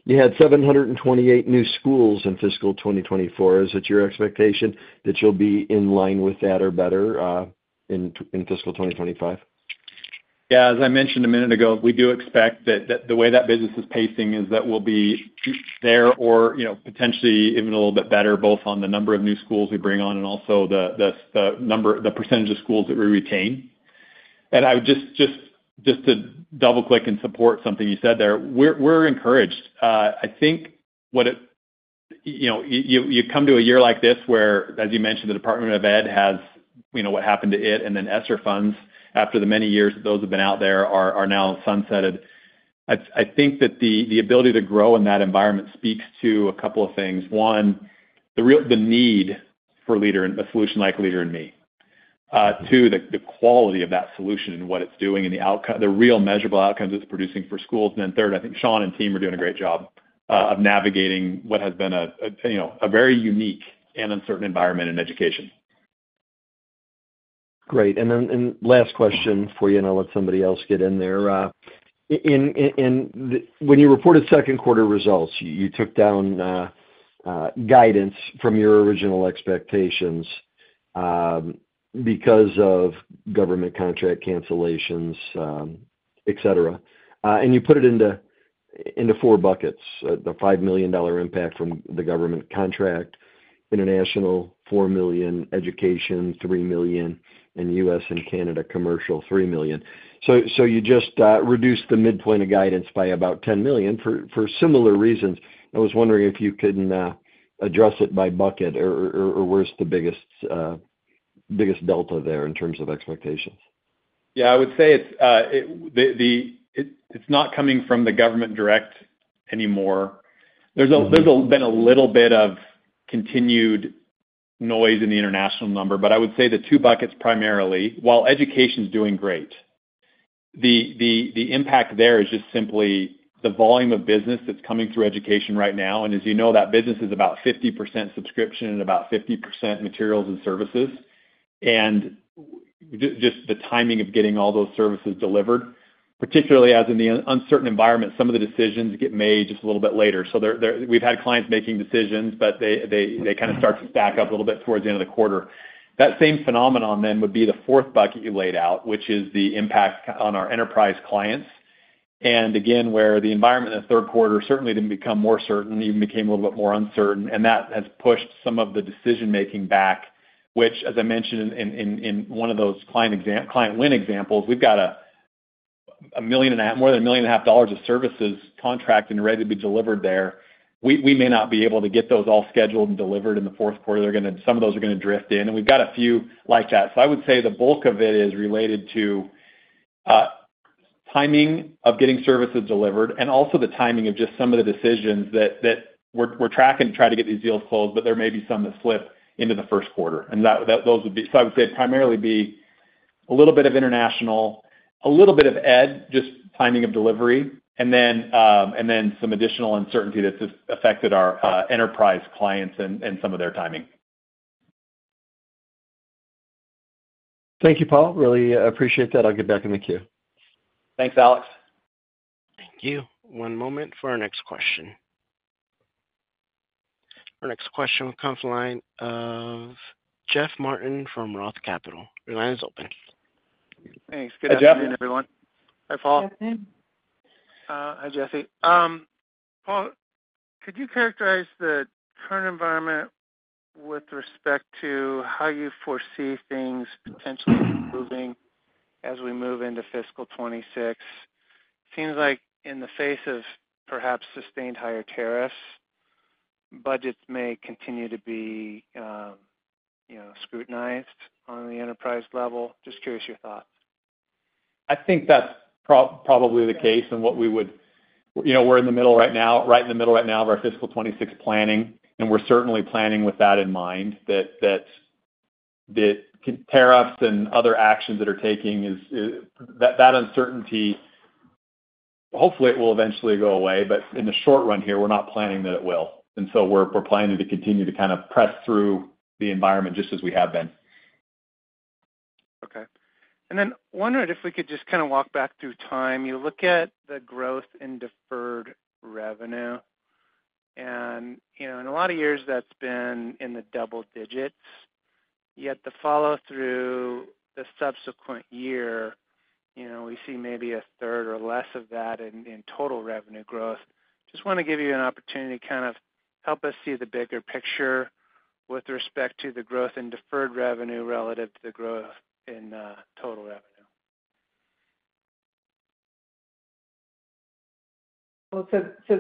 You had 728 new schools in fiscal 2024. Is it your expectation that you'll be in line with that or better in fiscal 2025? Yeah. As I mentioned a minute ago, we do expect that the way that business is pacing is that we'll be there or potentially even a little bit better, both on the number of new schools we bring on and also the percentage of schools that we retain. Just to double-click and support something you said there, we're encouraged. I think when you come to a year like this where, as you mentioned, the Department of Ed has what happened to it, and then ESSER funds after the many years that those have been out there are now sunsetted. I think that the ability to grow in that environment speaks to a couple of things. One, the need for a solution like Leader in Me. Two, the quality of that solution and what it's doing and the real measurable outcomes it's producing for schools. And then third, I think Sean and team are doing a great job of navigating what has been a very unique and uncertain environment in education. Great. And then last question for you, and I'll let somebody else get in there. When you reported second quarter results, you took down guidance from your original expectations because of government contract cancellations, et cetera. And you put it into four buckets: the $5 million impact from the government contract, international $4 million, education $3 million, and US and Canada commercial $3 million. So you just reduced the midpoint of guidance by about $10 million for similar reasons. I was wondering if you can address it by bucket, or where's the biggest delta there in terms of expectations? Yeah, I would say it's not coming from the government direct anymore. There's been a little bit of continued noise in the international number, but I would say the two buckets primarily. While education's doing great, the impact there is just simply the volume of business that's coming through education right now. And as you know, that business is about 50% subscription and about 50% materials and services. And just the timing of getting all those services delivered, particularly as in the uncertain environment, some of the decisions get made just a little bit later. We've had clients making decisions, but they kind of start to stack up a little bit towards the end of the quarter. That same phenomenon then would be the fourth bucket you laid out, which is the impact on our enterprise clients. Again, where the environment in the third quarter certainly didn't become more certain, even became a little bit more uncertain. That has pushed some of the decision-making back, which, as I mentioned in one of those client win examples, we've got more than $1,500,000 of services contracting ready to be delivered there. We may not be able to get those all scheduled and delivered in the fourth quarter. Some of those are going to drift in. We've got a few like that. I would say the bulk of it is related to timing of getting services delivered and also the timing of just some of the decisions that we're tracking to try to get these deals closed, but there may be some that slip into the first quarter. Those would be, I would say, it'd primarily be a little bit of international, a little bit of ed, just timing of delivery, and then some additional uncertainty that's affected our enterprise clients and some of their timing. Thank you, Paul. Really appreciate that. I'll get back in the queue. Thanks, Alex. Thank you. One moment for our next question. Our next question will come from the line of Jeff Martin from Roth Capital. Your line is open. Thanks. Good afternoon, everyone. Hi, Paul. Hi, Jessie. Paul, could you characterize the current environment with respect to how you foresee things potentially moving as we move into fiscal 2026? It seems like in the face of perhaps sustained higher tariffs, budgets may continue to be scrutinized on the enterprise level. Just curious your thoughts. I think that's probably the case and what we would, we're in the middle right now, right in the middle right now of our fiscal 2026 planning, and we're certainly planning with that in mind that tariffs and other actions that are taking, that uncertainty, hopefully, it will eventually go away. In the short run here, we're not planning that it will. We are planning to continue to kind of press through the environment just as we have been. Okay. Wondering if we could just kind of walk back through time. You look at the growth in deferred revenue, and in a lot of years, that's been in the double-digits. Yet the follow-through, the subsequent year, we see maybe a third or less of that in total revenue growth. Just want to give you an opportunity to kind of help us see the bigger picture with respect to the growth in deferred revenue relative to the growth in total revenue.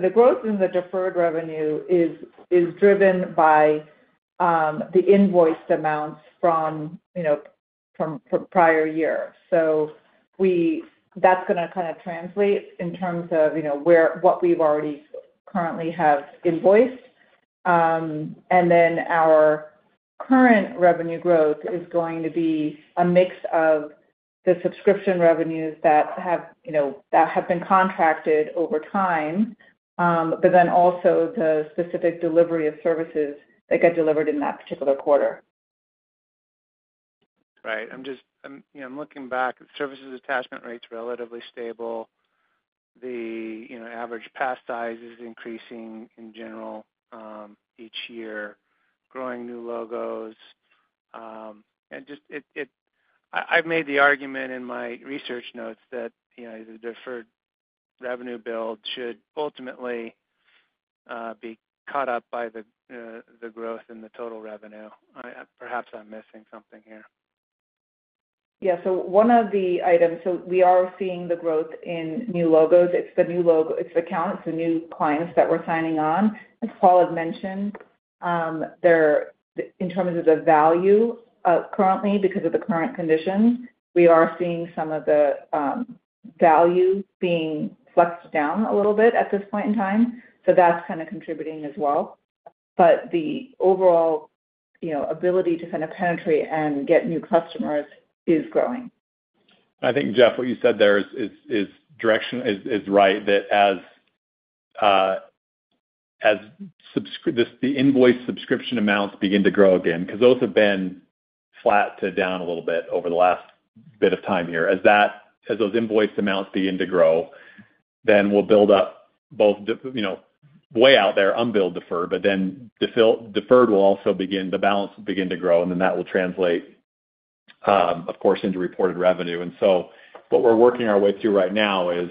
The growth in the deferred revenue is driven by the invoiced amounts from prior year. That is going to kind of translate in terms of what we've already currently have invoiced. Our current revenue growth is going to be a mix of the subscription revenues that have been contracted over time, but then also the specific delivery of services that get delivered in that particular quarter. Right. I'm looking back. Services attachment rate's relatively stable. The average pass size is increasing in general each year, growing new logos. I've made the argument in my research notes that the deferred revenue build should ultimately be caught up by the growth in the total revenue. Perhaps I'm missing something here. Yeah. One of the items, we are seeing the growth in new logos. It's the new accounts, the new clients that we're signing on. As Paul had mentioned, in terms of the value currently, because of the current conditions, we are seeing some of the value being flexed down a little bit at this point in time. That's kind of contributing as well. The overall ability to kind of penetrate and get new customers is growing. I think, Jeff, what you said there is right, that as the invoice subscription amounts begin to grow again, because those have been flat to down a little bit over the last bit of time here, as those invoice amounts begin to grow, we'll build up both way out there, unbilled defer, but then deferred will also begin, the balance will begin to grow, and that will translate, of course, into reported revenue. What we're working our way through right now is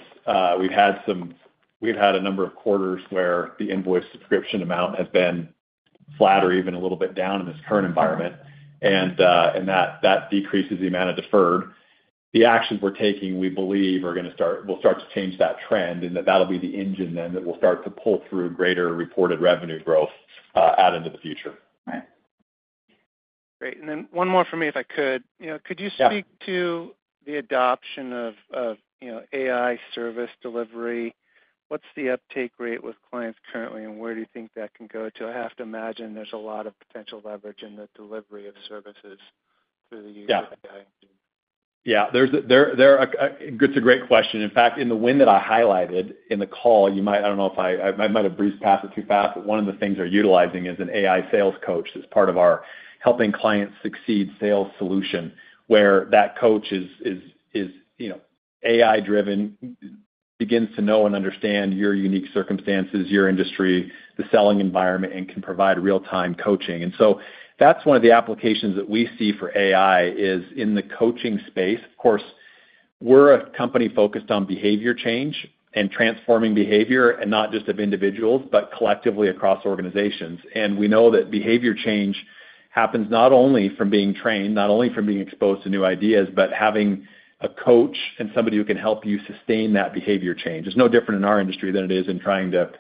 we've had a number of quarters where the invoice subscription amount has been flat or even a little bit down in this current environment, and that decreases the amount of deferred. The actions we're taking, we believe, are going to start to change that trend, and that'll be the engine then that will start to pull through greater reported revenue growth out into the future. Right. Great. And then one more for me, if I could. Could you speak to the adoption of AI service delivery? What's the uptake rate with clients currently, and where do you think that can go to? I have to imagine there's a lot of potential leverage in the delivery of services through the use of AI. Yeah. It's a great question. In fact, in the win that I highlighted in the call, you might—I do not know if I might have breezed past it too fast—but one of the things they are utilizing is an AI Sales Coach as part of our Helping Clients Succeed sales solution, where that coach is AI-driven, begins to know and understand your unique circumstances, your industry, the selling environment, and can provide real-time coaching. That is one of the applications that we see for AI is in the coaching space. Of course, we are a company focused on behavior change and transforming behavior, and not just of individuals, but collectively across organizations. We know that behavior change happens not only from being trained, not only from being exposed to new ideas, but having a coach and somebody who can help you sustain that behavior change. It's no different in our industry than it is in trying to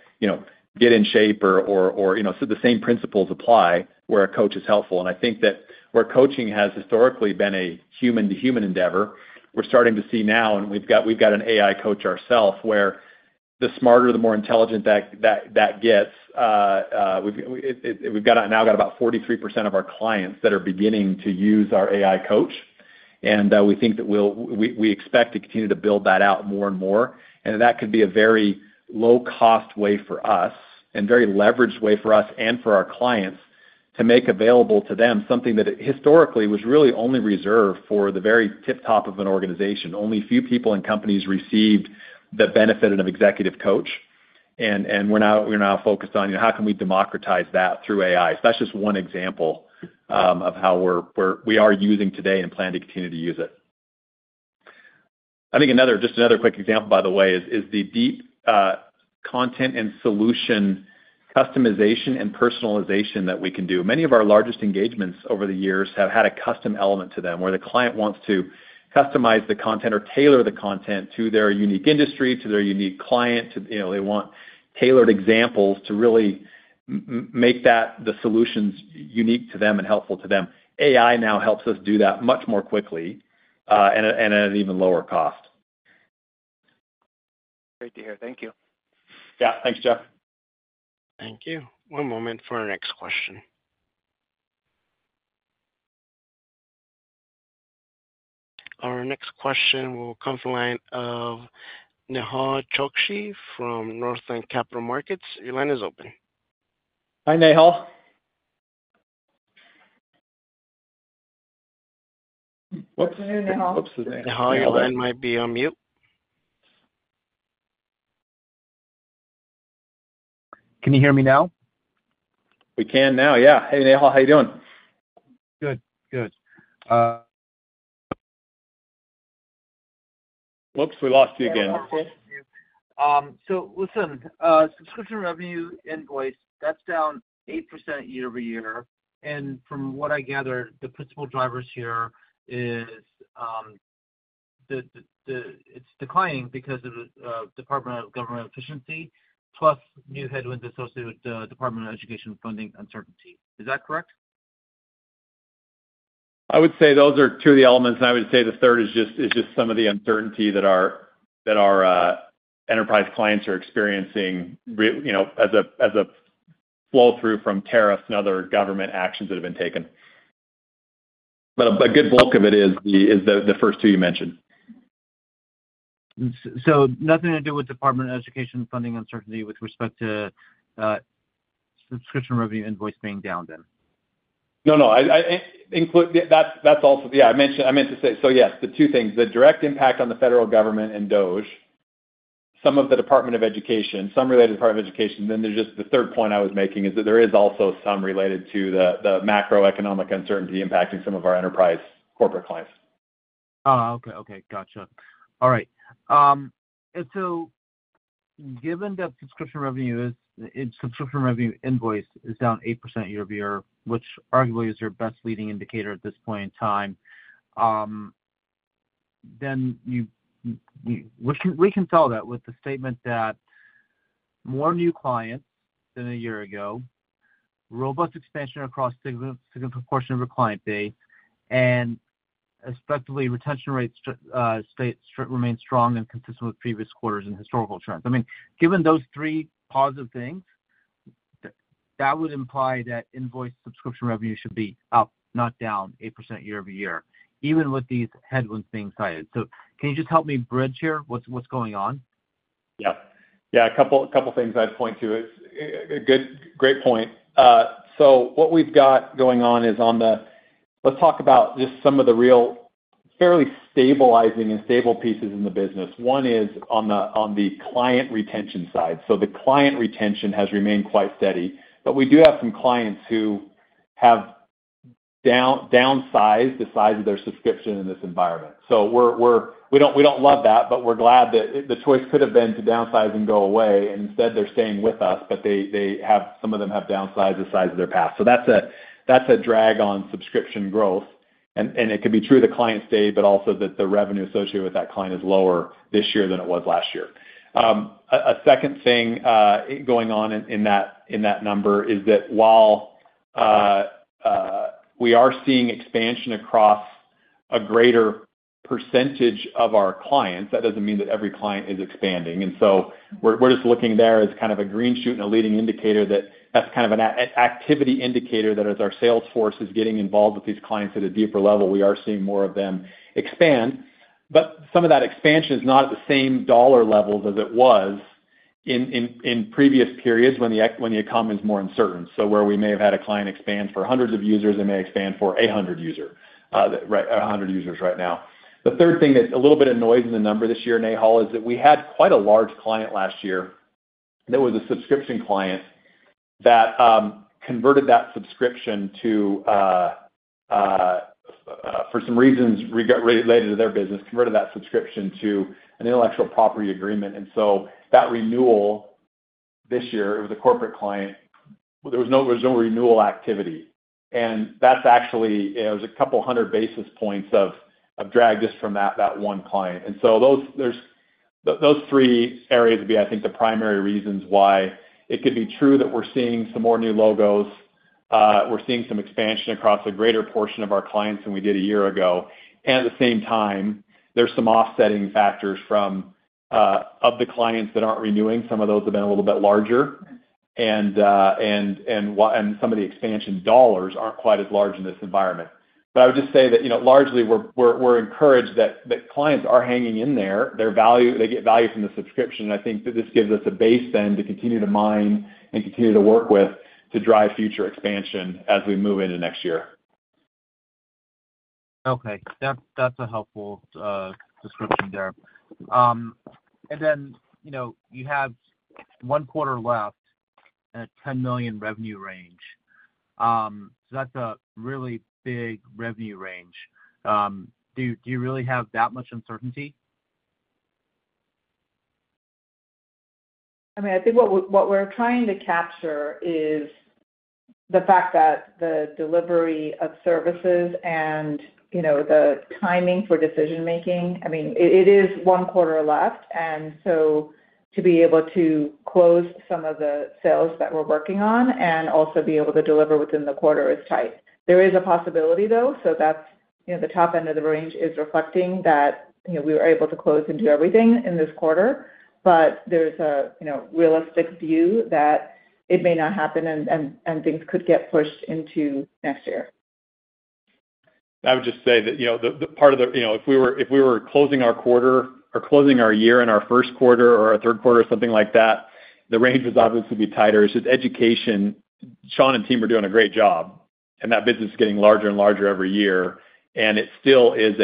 get in shape or the same principles apply where a coach is helpful. I think that where coaching has historically been a human-to-human endeavor, we're starting to see now, and we've got an AI coach ourself, where the smarter, the more intelligent that gets. We've now got about 43% of our clients that are beginning to use our AI coach, and we think that we expect to continue to build that out more and more. That could be a very low-cost way for us, and very leveraged way for us and for our clients to make available to them something that historically was really only reserved for the very tip-top of an organization. Only a few people and companies received the benefit of an executive coach. We're now focused on how can we democratize that through AI. That's just one example of how we are using today and plan to continue to use it. I think just another quick example, by the way, is the deep content and solution customization and personalization that we can do. Many of our largest engagements over the years have had a custom element to them where the client wants to customize the content or tailor the content to their unique industry, to their unique client. They want tailored examples to really make the solutions unique to them and helpful to them. AI now helps us do that much more quickly and at an even lower cost. Great to hear. Thank you. Yeah. Thanks, Jeff. Thank you. One moment for our next question. Our next question will come from the line of Nehal Chokshi from Northland Capital Markets. Your line is open. Hi, Nehal. What's the new, Nehal? Nehal, your line might be on mute. Can you hear me now? We can now, yeah. Hey, Nehal, how are you doing? Good. Good. Whoops, we lost you again. Listen, subscription revenue invoice, that's down 8% year-over-year. From what I gather, the principal driver here is it's declining because of the Department of Government Efficiency, plus new headwinds associated with the Department of Education funding uncertainty. Is that correct? I would say those are two of the elements, and I would say the third is just some of the uncertainty that our enterprise clients are experiencing as a flow-through from tariffs and other government actions that have been taken. A good bulk of it is the first two you mentioned. Nothing to do with Department of Education funding uncertainty with respect to subscription revenue invoice being down then? No, no. That's also—yeah, I meant to say, yes, the two things. The direct impact on the federal government and DOGE, some of the Department of Education, some related to the Department of Education. There is just the third point I was making, that there is also some related to the macroeconomic uncertainty impacting some of our enterprise corporate clients. Oh, okay. Okay. Gotcha. All right. Given that subscription revenue invoice is down 8% year-over-year, which arguably is your best leading indicator at this point in time, then we can tell that with the statement that more new clients than a year ago, robust expansion across a significant portion of your client base, and effectively, retention rates remain strong and consistent with previous quarters and historical trends. I mean, given those three positive things, that would imply that invoice subscription revenue should be up, not down 8% year-over-year, even with these headwinds being cited. Can you just help me bridge here what's going on? Yeah. Yeah. A couple of things I'd point to. It's a great point. What we've got going on is on the—let's talk about just some of the real fairly stabilizing and stable pieces in the business. One is on the client retention side. The client retention has remained quite steady, but we do have some clients who have downsized the size of their subscription in this environment. We do not love that, but we are glad that the choice could have been to downsize and go away, and instead, they are staying with us, but some of them have downsized the size of their path. That is a drag on subscription growth, and it could be true of the client state, but also that the revenue associated with that client is lower this year than it was last year. A second thing going on in that number is that while we are seeing expansion across a greater % of our clients, that does not mean that every client is expanding. We're just looking there as kind of a green shoot and a leading indicator that that's kind of an activity indicator that as our salesforce is getting involved with these clients at a deeper level, we are seeing more of them expand. Some of that expansion is not at the same dollar levels as it was in previous periods when the economy is more uncertain. Where we may have had a client expand for hundreds of users, they may expand for 800 users right now. The third thing that's a little bit of noise in the number this year, Nehal, is that we had quite a large client last year that was a subscription client that converted that subscription to, for some reasons related to their business, converted that subscription to an intellectual property agreement. That renewal this year, it was a corporate client. There was no renewal activity. That is actually, there was a couple hundred basis points of drag just from that one client. Those three areas would be, I think, the primary reasons why it could be true that we are seeing some more new logos. We are seeing some expansion across a greater portion of our clients than we did a year ago. At the same time, there are some offsetting factors from other clients that are not renewing. Some of those have been a little bit larger, and some of the expansion dollars are not quite as large in this environment. I would just say that largely, we are encouraged that clients are hanging in there. They get value from the subscription, and I think that this gives us a base then to continue to mine and continue to work with to drive future expansion as we move into next year. Okay. That's a helpful description there. And then you have one quarter left in a $10 million revenue range. So that's a really big revenue range. Do you really have that much uncertainty? I mean, I think what we're trying to capture is the fact that the delivery of services and the timing for decision-making—I mean, it is one quarter left, and so to be able to close some of the sales that we're working on and also be able to deliver within the quarter is tight. There is a possibility, though, so that the top end of the range is reflecting that we were able to close and do everything in this quarter, but there's a realistic view that it may not happen and things could get pushed into next year. I would just say that part of the—if we were closing our quarter or closing our year in our first quarter or our third quarter or something like that, the range would obviously be tighter. It is just education. Sean and team are doing a great job, and that business is getting larger and larger every year. It still is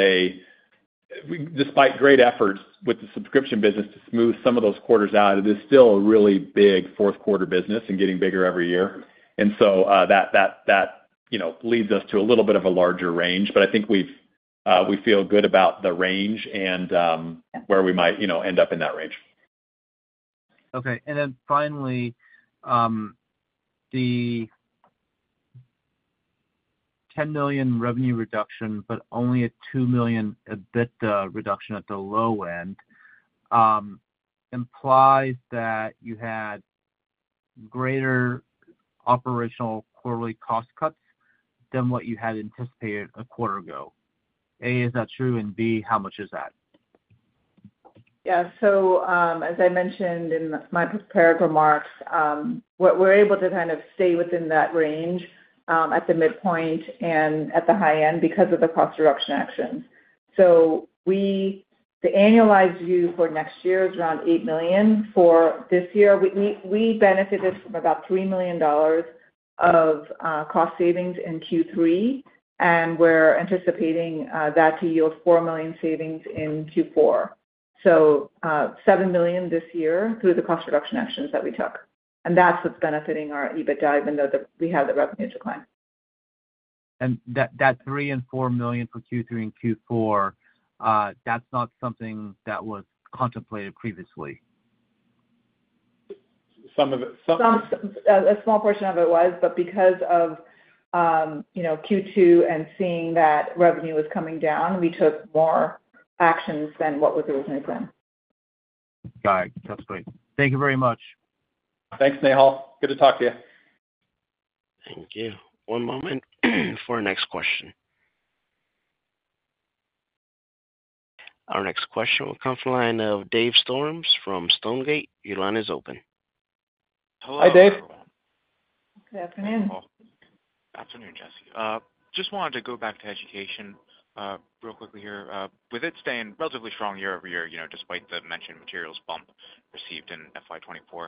a—despite great efforts with the subscription business to smooth some of those quarters out, it is still a really big fourth quarter business and getting bigger every year. That leads us to a little bit of a larger range, but I think we feel good about the range and where we might end up in that range. Okay. Then finally, the $10 million revenue reduction, but only a $2 million EBITDA reduction at the low end, implies that you had greater operational quarterly cost cuts than what you had anticipated a quarter ago. A, is that true? B, how much is that? Yeah. As I mentioned in my prepared remarks, we're able to kind of stay within that range at the midpoint and at the high end because of the cost reduction actions. The annualized view for next year is around $8 million. For this year, we benefited from about $3 million of cost savings in Q3, and we're anticipating that to yield $4 million savings in Q4. $7 million this year through the cost reduction actions that we took. That's what's benefiting our EBITDA, even though we had the revenue decline. That $3 million and $4 million for Q3 and Q4, that's not something that was contemplated previously? A small portion of it was, but because of Q2 and seeing that revenue was coming down, we took more actions than what was originally planned. Got it. That's great. Thank you very much. Thanks, Nehal. Good to talk to you. Thank you. One moment for our next question. Our next question will come from the line of Dave Storms from Stonegate. Your line is open. Hi, Dave. Good afternoon. Good afternoon, Jessie. Just wanted to go back to education real quickly here. With it staying relatively strong year over year, despite the mentioned materials bump received in FY2024,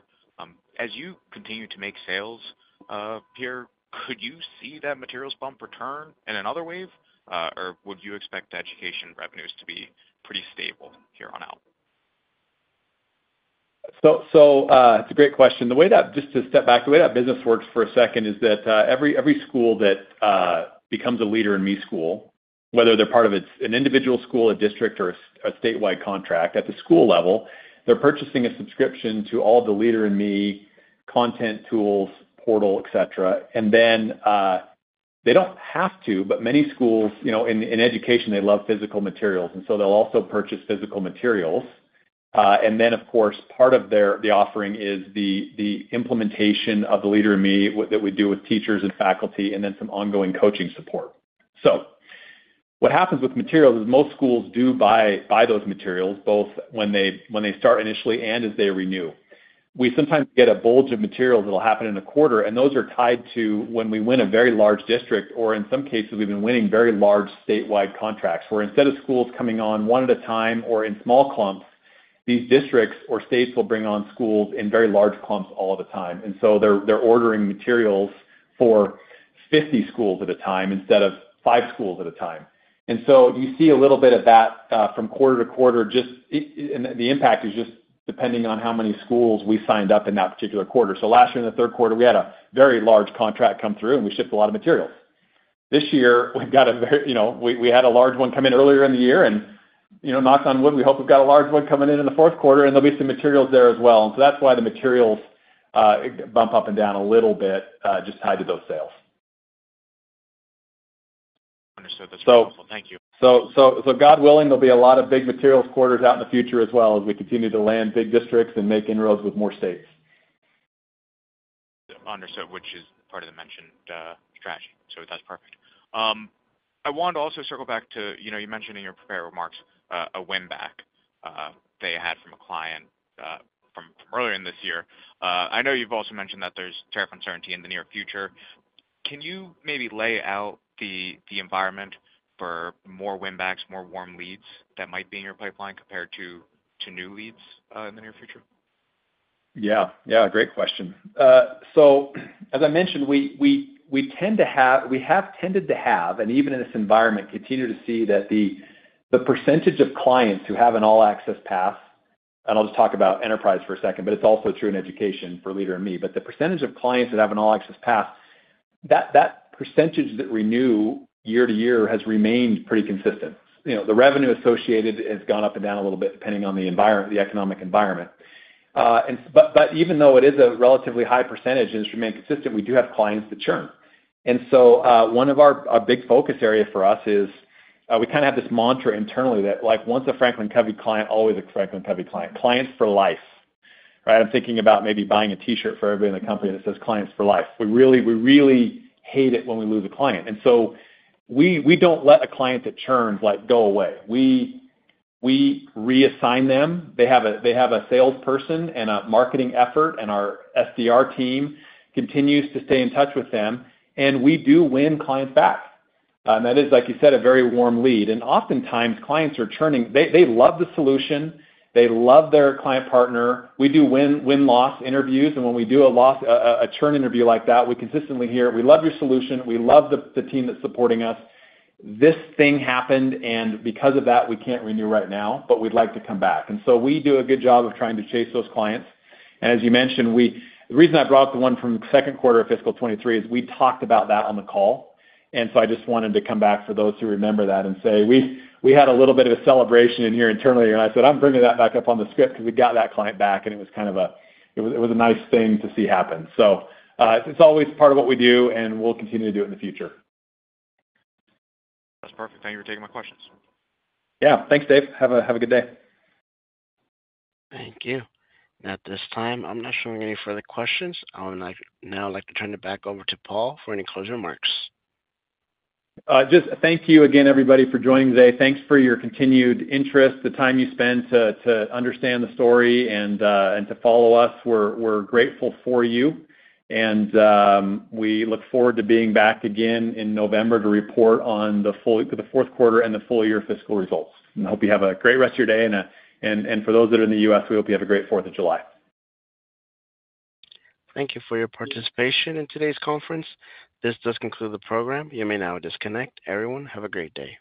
as you continue to make sales here, could you see that materials bump return in another wave, or would you expect education revenues to be pretty stable here on out? It's a great question. Just to step back, the way that business works for a second is that every school that becomes a Leader in Me school, whether they're part of an individual school, a district, or a statewide contract, at the school level, they're purchasing a subscription to all the Leader in Me content, tools, portal, etc. They don't have to, but many schools in education love physical materials, and so they'll also purchase physical materials. Of course, part of the offering is the implementation of the Leader in Me that we do with teachers and faculty, and then some ongoing coaching support. What happens with materials is most schools do buy those materials, both when they start initially and as they renew. We sometimes get a bulge of materials that'll happen in a quarter, and those are tied to when we win a very large district, or in some cases, we've been winning very large statewide contracts where instead of schools coming on one at a time or in small clumps, these districts or states will bring on schools in very large clumps all at a time. They are ordering materials for 50 schools at a time instead of five schools at a time. You see a little bit of that from quarter to quarter. The impact is just depending on how many schools we signed up in that particular quarter. Last year, in the third quarter, we had a very large contract come through, and we shipped a lot of materials. This year, we've got a very—we had a large one come in earlier in the year, and knock on wood, we hope we've got a large one coming in in the fourth quarter, and there'll be some materials there as well. That is why the materials bump up and down a little bit just tied to those sales. Understood. That's very helpful. Thank you. God willing, there'll be a lot of big materials quarters out in the future as we continue to land big districts and make inroads with more states. Understood, which is part of the mentioned strategy. That's perfect. I wanted to also circle back to—you mentioned in your prepared remarks a win-back they had from a client from earlier in this year. I know you've also mentioned that there's tariff uncertainty in the near future. Can you maybe lay out the environment for more win-backs, more warm leads that might be in your pipeline compared to new leads in the near future? Yeah. Yeah. Great question. As I mentioned, we tend to have—we have tended to have, and even in this environment, continue to see that the % of clients who have an All-Access Pass—and I'll just talk about enterprise for a second, but it's also true in education for Leader in Me. The % of clients that have an All-Access Pass, that % that renew year to year has remained pretty consistent. The revenue associated has gone up and down a little bit depending on the economic environment. Even though it is a relatively high % and it's remained consistent, we do have clients that churn. One of our big focus areas for us is we kind of have this mantra internally that once a Franklin Covey client—always a Franklin Covey client—clients for life. Right? I'm thinking about maybe buying a T-shirt for everybody in the company that says "Clients for Life." We really hate it when we lose a client. We don't let a client that churns go away. We reassign them. They have a salesperson and a marketing effort, and our SDR team continues to stay in touch with them, and we do win clients back. That is, like you said, a very warm lead. Oftentimes, clients are churning. They love the solution. They love their client partner. We do win-loss interviews, and when we do a churn interview like that, we consistently hear, "We love your solution. We love the team that's supporting us. This thing happened, and because of that, we can't renew right now, but we'd like to come back. And so we do a good job of trying to chase those clients. As you mentioned, the reason I brought up the one from second quarter of fiscal 2023 is we talked about that on the call. I just wanted to come back for those who remember that and say we had a little bit of a celebration in here internally, and I said, "I'm bringing that back up on the script because we got that client back," and it was kind of a—it was a nice thing to see happen. It is always part of what we do, and we'll continue to do it in the future. That's perfect. Thank you for taking my questions. Yeah. Thanks, Dave. Have a good day. Thank you. At this time, I'm not showing any further questions. I would now like to turn it back over to Paul for any closing remarks. Just thank you again, everybody, for joining today. Thanks for your continued interest, the time you spent to understand the story and to follow us. We're grateful for you, and we look forward to being back again in November to report on the fourth quarter and the full year fiscal results. I hope you have a great rest of your day. For those that are in the U.S., we hope you have a great 4th of July. Thank you for your participation in today's conference. This does conclude the program. You may now disconnect. Everyone, have a great day.